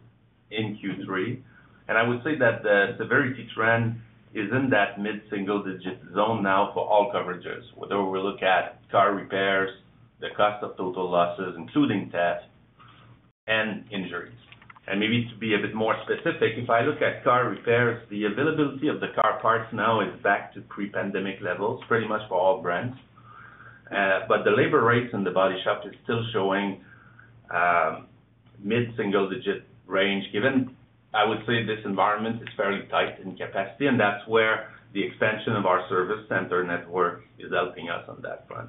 in Q3. And I would say that the severity trend is in that mid-single-digit zone now for all coverages, whether we look at car repairs, the cost of total losses, including theft, and injuries. And maybe to be a bit more specific, if I look at car repairs, the availability of the car parts now is back to pre-pandemic levels, pretty much for all brands. But the labor rates in the body shop are still showing mid-single-digit range, given, I would say, this environment is fairly tight in capacity. And that's where the expansion of our service center network is helping us on that front.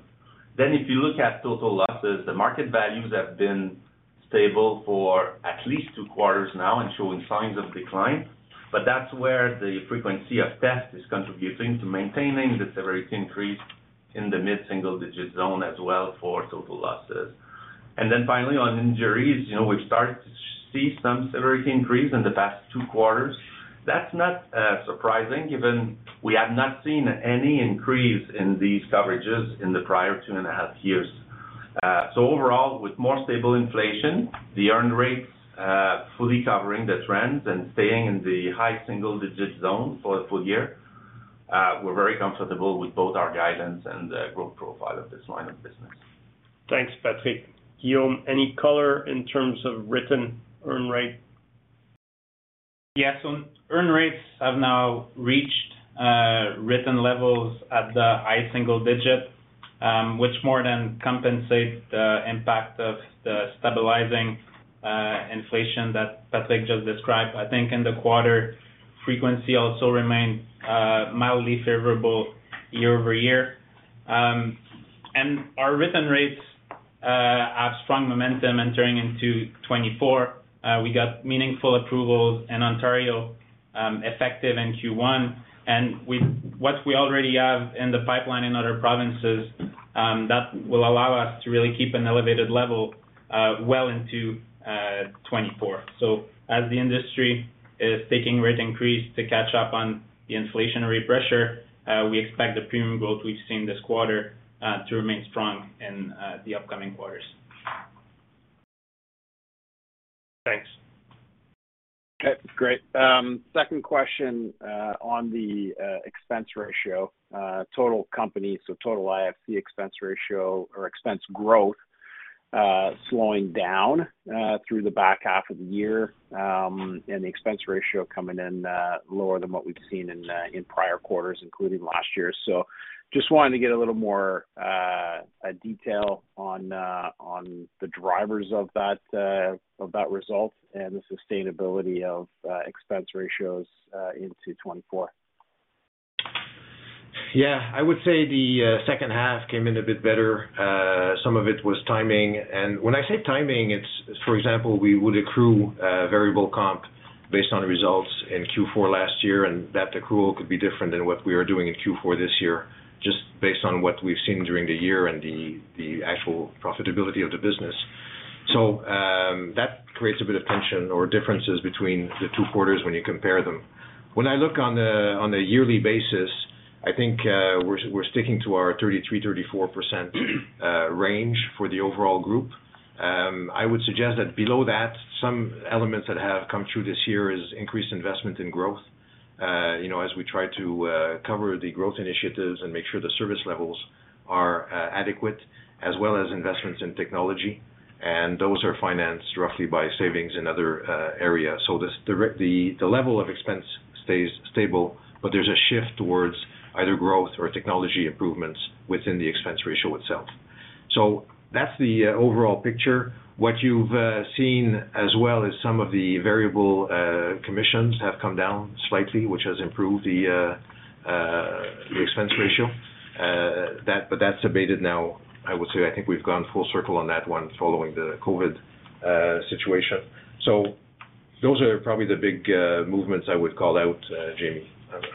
Then if you look at total losses, the market values have been stable for at least two quarters now and showing signs of decline. But that's where the frequency of theft is contributing to maintaining the severity increase in the mid-single-digit zone as well for total losses. And then finally, on injuries, we've started to see some severity increase in the past two quarters. That's not surprising, given we have not seen any increase in these coverages in the prior two and a half years. So overall, with more stable inflation, the earned rates fully covering the trends and staying in the high single-digit zone for the full year, we're very comfortable with both our guidance and the growth profile of this line of business. Thanks, Patrick. Guillaume, any color in terms of written earned rate? Yes. Earned rates have now reached written levels at the high single digit, which more than compensate the impact of the stabilizing inflation that Patrick just described. I think in the quarter, frequency also remained mildly favorable year-over-year. And our written rates have strong momentum entering into 2024. We got meaningful approvals in Ontario, effective in Q1. And with what we already have in the pipeline in other provinces, that will allow us to really keep an elevated level well into 2024. So as the industry is taking rate increase to catch up on the inflationary pressure, we expect the premium growth we've seen this quarter to remain strong in the upcoming quarters. Thanks. Okay. Great. Second question on the expense ratio, total company, so total IFC expense ratio or expense growth slowing down through the back half of the year and the expense ratio coming in lower than what we've seen in prior quarters, including last year. So just wanted to get a little more detail on the drivers of that result and the sustainability of expense ratios into 2024. Yeah. I would say the second half came in a bit better. Some of it was timing. And when I say timing, for example, we would accrue variable comp based on results in Q4 last year. And that accrual could be different than what we are doing in Q4 this year, just based on what we've seen during the year and the actual profitability of the business. So that creates a bit of tension or differences between the two quarters when you compare them. When I look on a yearly basis, I think we're sticking to our 33%-34% range for the overall group. I would suggest that below that, some elements that have come true this year are increased investment in growth as we try to cover the growth initiatives and make sure the service levels are adequate, as well as investments in technology. And those are financed roughly by savings in other areas. So the level of expense stays stable, but there's a shift towards either growth or technology improvements within the expense ratio itself. So that's the overall picture. What you've seen as well is some of the variable commissions have come down slightly, which has improved the expense ratio. But that's abated now, I would say. I think we've gone full circle on that one following the COVID situation. So those are probably the big movements I would call out, Jaeme.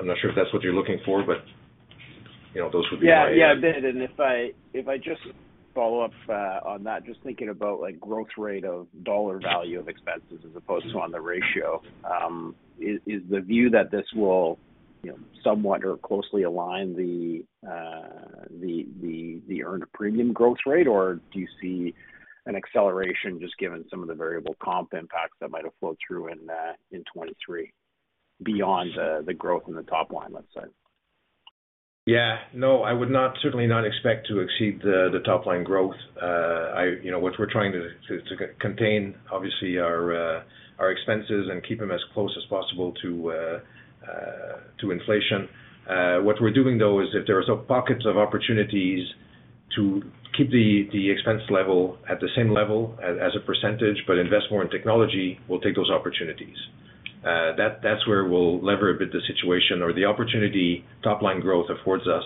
I'm not sure if that's what you're looking for, but those would be our ideas. Yeah. Yeah. A bit. And if I just follow up on that, just thinking about growth rate of dollar value of expenses as opposed to on the ratio, is the view that this will somewhat or closely align the earned premium growth rate? Or do you see an acceleration just given some of the variable comp impacts that might have flowed through in 2023 beyond the growth in the top line, let's say? Yeah. No, I would certainly not expect to exceed the top line growth. What we're trying to contain, obviously, are expenses and keep them as close as possible to inflation. What we're doing, though, is if there are some pockets of opportunities to keep the expense level at the same level as a percentage but invest more in technology, we'll take those opportunities. That's where we'll leverage a bit the situation or the opportunity top line growth affords us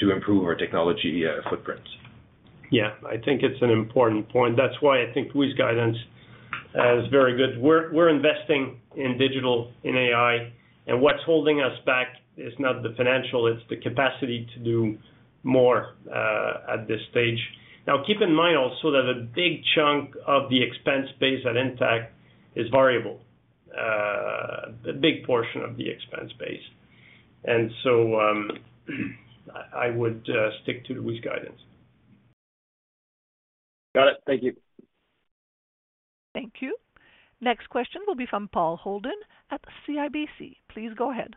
to improve our technology footprints. Yeah. I think it's an important point. That's why I think Louis' guidance is very good. We're investing in digital, in AI. What's holding us back is not the financial. It's the capacity to do more at this stage. Now, keep in mind also that a big chunk of the expense base at Intact is variable, a big portion of the expense base. So I would stick to Louis' guidance. Got it. Thank you. Thank you. Next question will be from Paul Holden at CIBC. Please go ahead.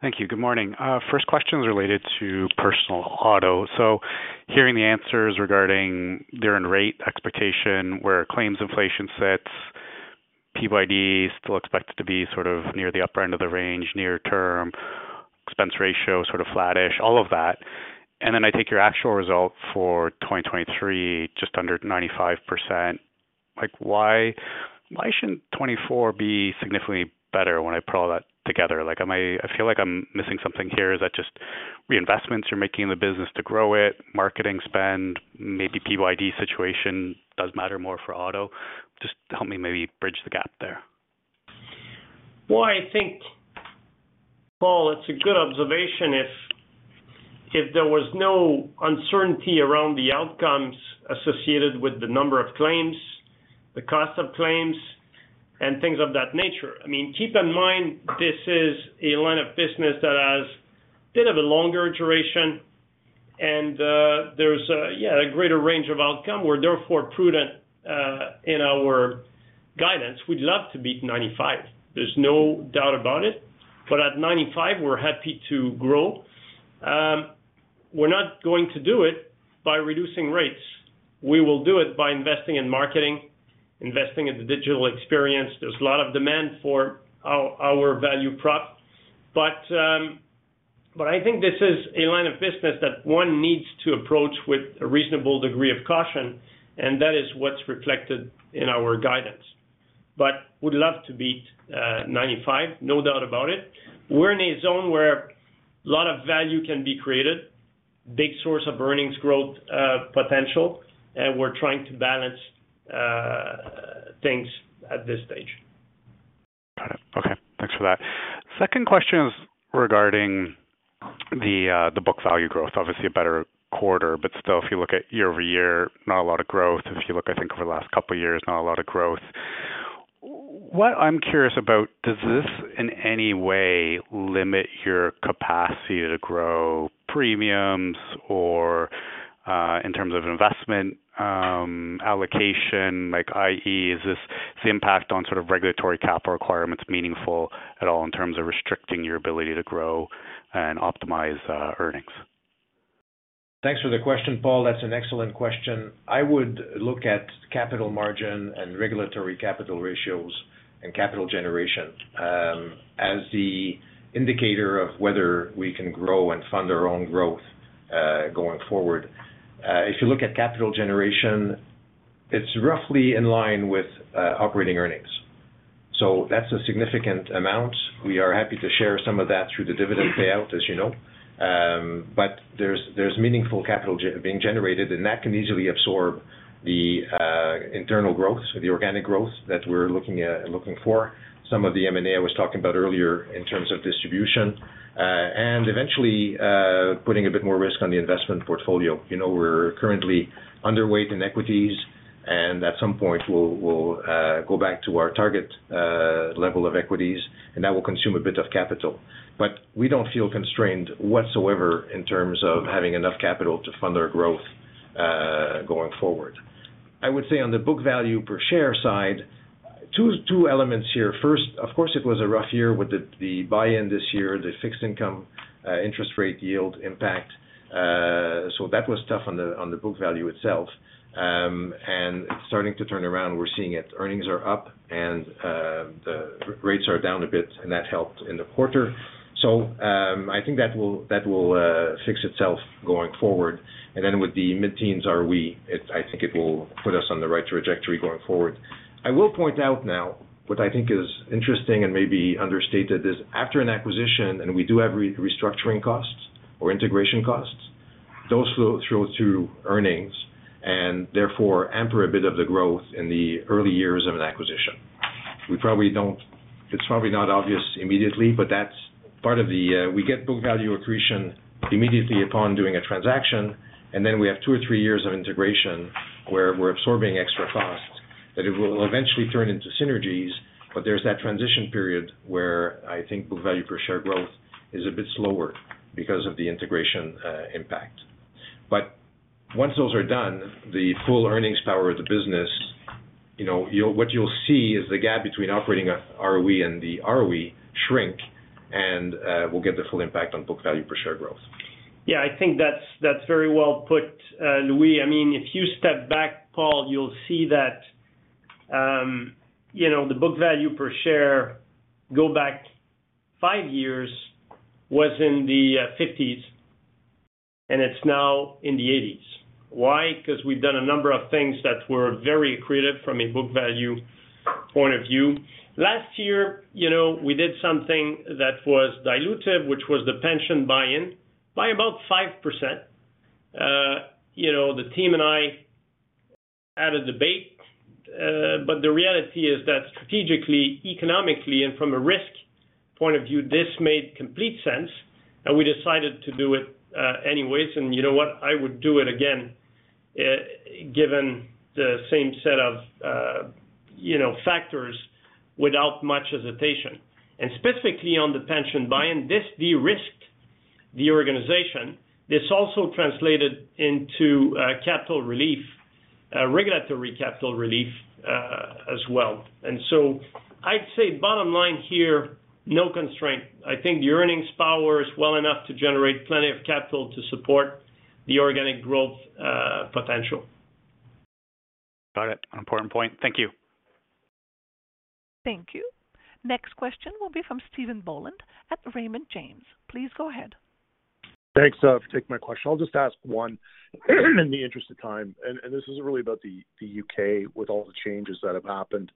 Thank you. Good morning. First question is related to personal auto. So hearing the answers regarding the earned rate, expectation, where claims inflation sits, PYD still expected to be sort of near the upper end of the range, near term, expense ratio sort of flatish, all of that. And then I take your actual result for 2023, just under 95%. Why shouldn't 2024 be significantly better when I put all that together? I feel like I'm missing something here. Is that just reinvestments you're making in the business to grow it, marketing spend, maybe PYD situation does matter more for auto? Just help me maybe bridge the gap there. Well, I think, Paul, it's a good observation if there was no uncertainty around the outcomes associated with the number of claims, the cost of claims, and things of that nature. I mean, keep in mind this is a line of business that has a bit of a longer duration. And there's, yeah, a greater range of outcome. We're, therefore, prudent in our guidance. We'd love to beat 95. There's no doubt about it. But at 95, we're happy to grow. We're not going to do it by reducing rates. We will do it by investing in marketing, investing in the digital experience. There's a lot of demand for our value prop. But I think this is a line of business that one needs to approach with a reasonable degree of caution. And that is what's reflected in our guidance. But we'd love to beat 95, no doubt about it. We're in a zone where a lot of value can be created, big source of earnings growth potential. We're trying to balance things at this stage. Got it. Okay. Thanks for that. Second question is regarding the book value growth, obviously, a better quarter. But still, if you look at year-over-year, not a lot of growth. If you look, I think, over the last couple of years, not a lot of growth. What I'm curious about, does this in any way limit your capacity to grow premiums or in terms of investment allocation, i.e., is the impact on sort of regulatory capital requirements meaningful at all in terms of restricting your ability to grow and optimize earnings? Thanks for the question, Paul. That's an excellent question. I would look at capital margin and regulatory capital ratios and capital generation as the indicator of whether we can grow and fund our own growth going forward. If you look at capital generation, it's roughly in line with operating earnings. So that's a significant amount. We are happy to share some of that through the dividend payout, as you know. But there's meaningful capital being generated. And that can easily absorb the internal growth, the organic growth that we're looking for, some of the M&A I was talking about earlier in terms of distribution, and eventually putting a bit more risk on the investment portfolio. We're currently underweight in equities. And at some point, we'll go back to our target level of equities. And that will consume a bit of capital. But we don't feel constrained whatsoever in terms of having enough capital to fund our growth going forward. I would say on the book value per share side, two elements here. First, of course, it was a rough year with the buy-in this year, the fixed income interest rate yield impact. So that was tough on the book value itself. And it's starting to turn around. We're seeing it. Earnings are up. And the rates are down a bit. And that helped in the quarter. So I think that will fix itself going forward. And then with the mid-teens ROE. I think it will put us on the right trajectory going forward. I will point out now what I think is interesting and maybe understated is after an acquisition, and we do have restructuring costs or integration costs, those flow through earnings and, therefore, hampers a bit of the growth in the early years of an acquisition. It's probably not obvious immediately, but that's part of the way we get book value accretion immediately upon doing a transaction. And then we have two or three years of integration where we're absorbing extra costs that will eventually turn into synergies. But there's that transition period where I think book value per share growth is a bit slower because of the integration impact. But once those are done, the full earnings power of the business, what you'll see is the gap between operating ROE and the ROE shrink. And we'll get the full impact on book value per share growth. Yeah. I think that's very well put, Louis. I mean, if you step back, Paul, you'll see that the book value per share, go back five years, was in the '50s. And it's now in the '80s. Why? Because we've done a number of things that were very accretive from a book value point of view. Last year, we did something that was dilutive, which was the pension buy-in by about 5%. The team and I had a debate. But the reality is that strategically, economically, and from a risk point of view, this made complete sense. And we decided to do it anyways. And you know what? I would do it again given the same set of factors without much hesitation. And specifically on the pension buy-in, this de-risked the organization. This also translated into capital relief, regulatory capital relief as well. And so I'd say bottom line here, no constraint. I think the earnings power is well enough to generate plenty of capital to support the organic growth potential. Got it. An important point. Thank you. Thank you. Next question will be from Stephen Boland at Raymond James. Please go ahead. Thanks for taking my question. I'll just ask one in the interest of time. And this is really about the U.K. with all the changes that have happened,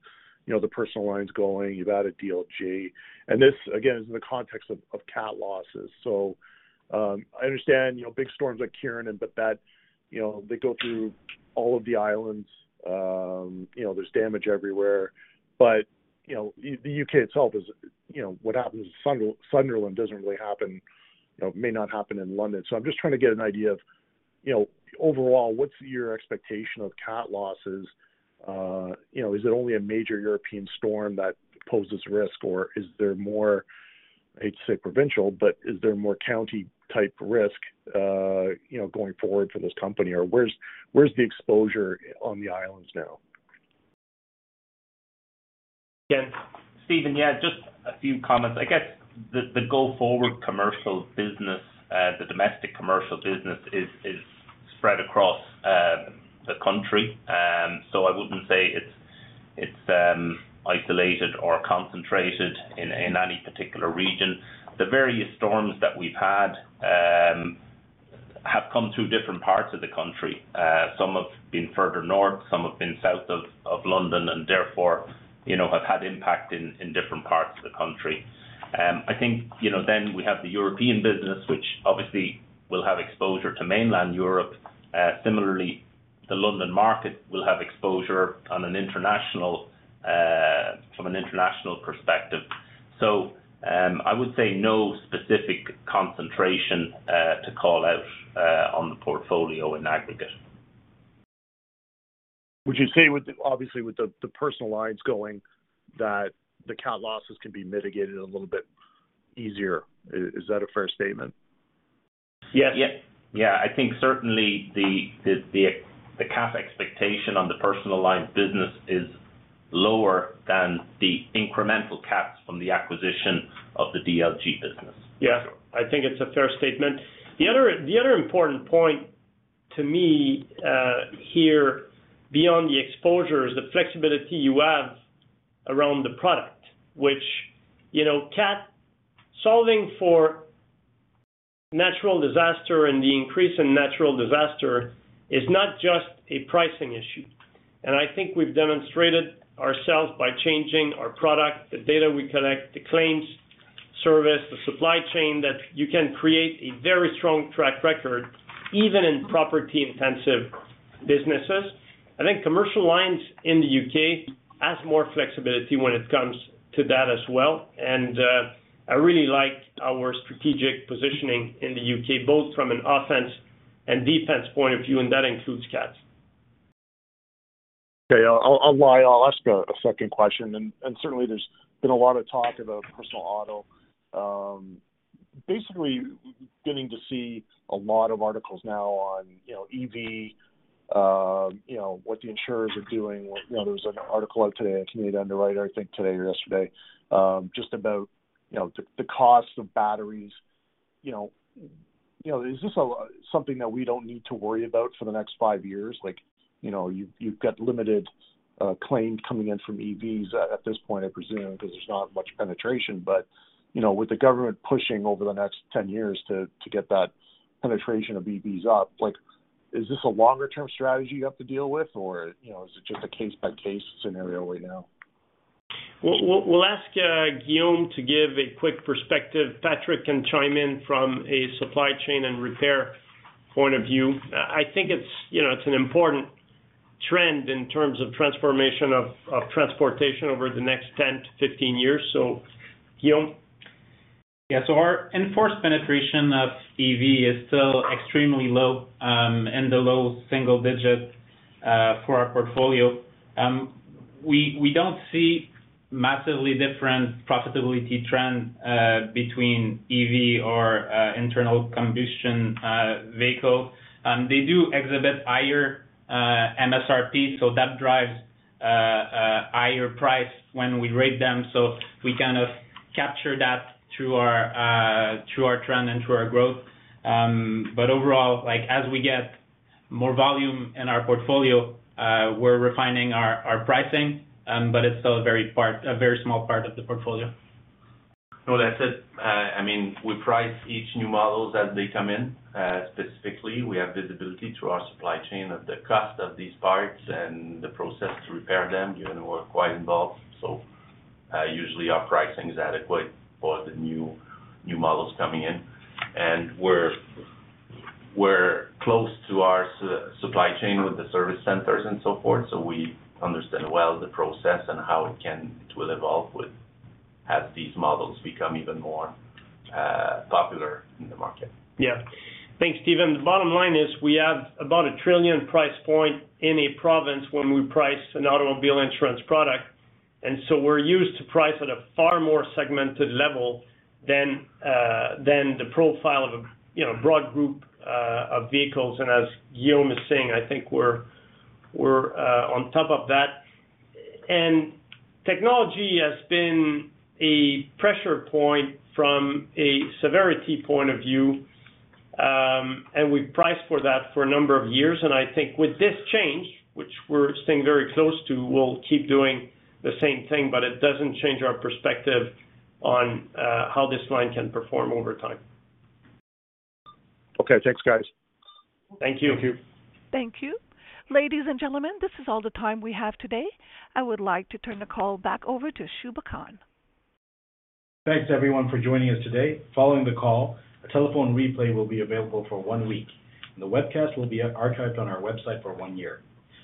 the personal lines going. You've added DLG. And this, again, is in the context of cat losses. So I understand big storms like Ciarán and Babet, they go through all of the islands. There's damage everywhere. But the U.K. itself, what happens in Sunderland doesn't really happen, may not happen in London. So I'm just trying to get an idea of overall, what's your expectation of cat losses? Is it only a major European storm that poses risk? Or is there more—I hate to say provincial, but is there more county-type risk going forward for this company? Or where's the exposure on the islands now? Again, Stephen, yeah, just a few comments. I guess the go-forward commercial business, the domestic commercial business, is spread across the country. So I wouldn't say it's isolated or concentrated in any particular region. The various storms that we've had have come through different parts of the country. Some have been further north. Some have been south of London. And therefore, have had impact in different parts of the country. I think then we have the European business, which obviously will have exposure to mainland Europe. Similarly, the London market will have exposure from an international perspective. So I would say no specific concentration to call out on the portfolio in aggregate. Would you say, obviously, with the personal lines going, that the cat losses can be mitigated a little bit easier? Is that a fair statement? Yes. Yeah. I think certainly the cat expectation on the personal line business is lower than the incremental cats from the acquisition of the DLG business. Yes. I think it's a fair statement. The other important point to me here beyond the exposure is the flexibility you have around the product, which catastrophe solving for natural disaster and the increase in natural disaster is not just a pricing issue. I think we've demonstrated ourselves by changing our product, the data we collect, the claims service, the supply chain that you can create a very strong track record even in property-intensive businesses. I think commercial lines in the U.K. has more flexibility when it comes to that as well. I really like our strategic positioning in the U.K., both from an offense and defense point of view. And that includes catastrophes. Okay. All right. I'll ask a second question. And certainly, there's been a lot of talk about personal auto, basically getting to see a lot of articles now on EV, what the insurers are doing. There was an article out today that Canadian Underwriter, I think, today or yesterday just about the cost of batteries. Is this something that we don't need to worry about for the next five years? You've got limited claims coming in from EVs at this point, I presume, because there's not much penetration. But with the government pushing over the next 10 years to get that penetration of EVs up, is this a longer-term strategy you have to deal with? Or is it just a case-by-case scenario right now? We'll ask Guillaume to give a quick perspective, Patrick, and chime in from a supply chain and repair point of view. I think it's an important trend in terms of transformation of transportation over the next 10-15 years. So, Guillaume? Yeah. So our in-forced penetration of EV is still extremely low and a low single digit for our portfolio. We don't see massively different profitability trend between EV or internal combustion vehicle. They do exhibit higher MSRP. So that drives higher price when we rate them. So we kind of capture that through our trend and through our growth. But overall, as we get more volume in our portfolio, we're refining our pricing. But it's still a very small part of the portfolio. No, that's it. I mean, we price each new model as they come in specifically. We have visibility through our supply chain of the cost of these parts and the process to repair them. We're quite involved. Usually, our pricing is adequate for the new models coming in. We're close to our supply chain with the service centers and so forth. We understand well the process and how it will evolve as these models become even more popular in the market. Yeah. Thanks, Stephen. The bottom line is we have about 1 trillion price point in a province when we price an automobile insurance product. And so we're used to price at a far more segmented level than the profile of a broad group of vehicles. And as Guillaume is saying, I think we're on top of that. And technology has been a pressure point from a severity point of view. And we've priced for that for a number of years. And I think with this change, which we're staying very close to, we'll keep doing the same thing. But it doesn't change our perspective on how this line can perform over time. Okay. Thanks, guys. Thank you. Thank you. Ladies and gentlemen, this is all the time we have today. I would like to turn the call back over to Shubha Khan. Thanks, everyone, for joining us today. Following the call, a telephone replay will be available for one week. The webcast will be archived on our website for one year.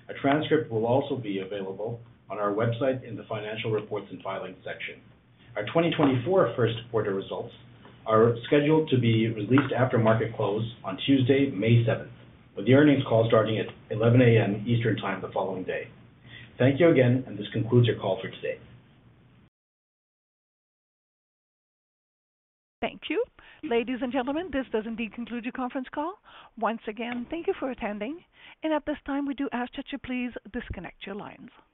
A transcript will also be available on our website in the financial reports and filings section. Our 2024 first quarter results are scheduled to be released after market close on Tuesday, May 7th, with the earnings call starting at 11:00 A.M. Eastern Time the following day. Thank you again. This concludes your call for today. Thank you. Ladies and gentlemen, this does indeed conclude your conference call. Once again, thank you for attending. At this time, we do ask that you please disconnect your lines.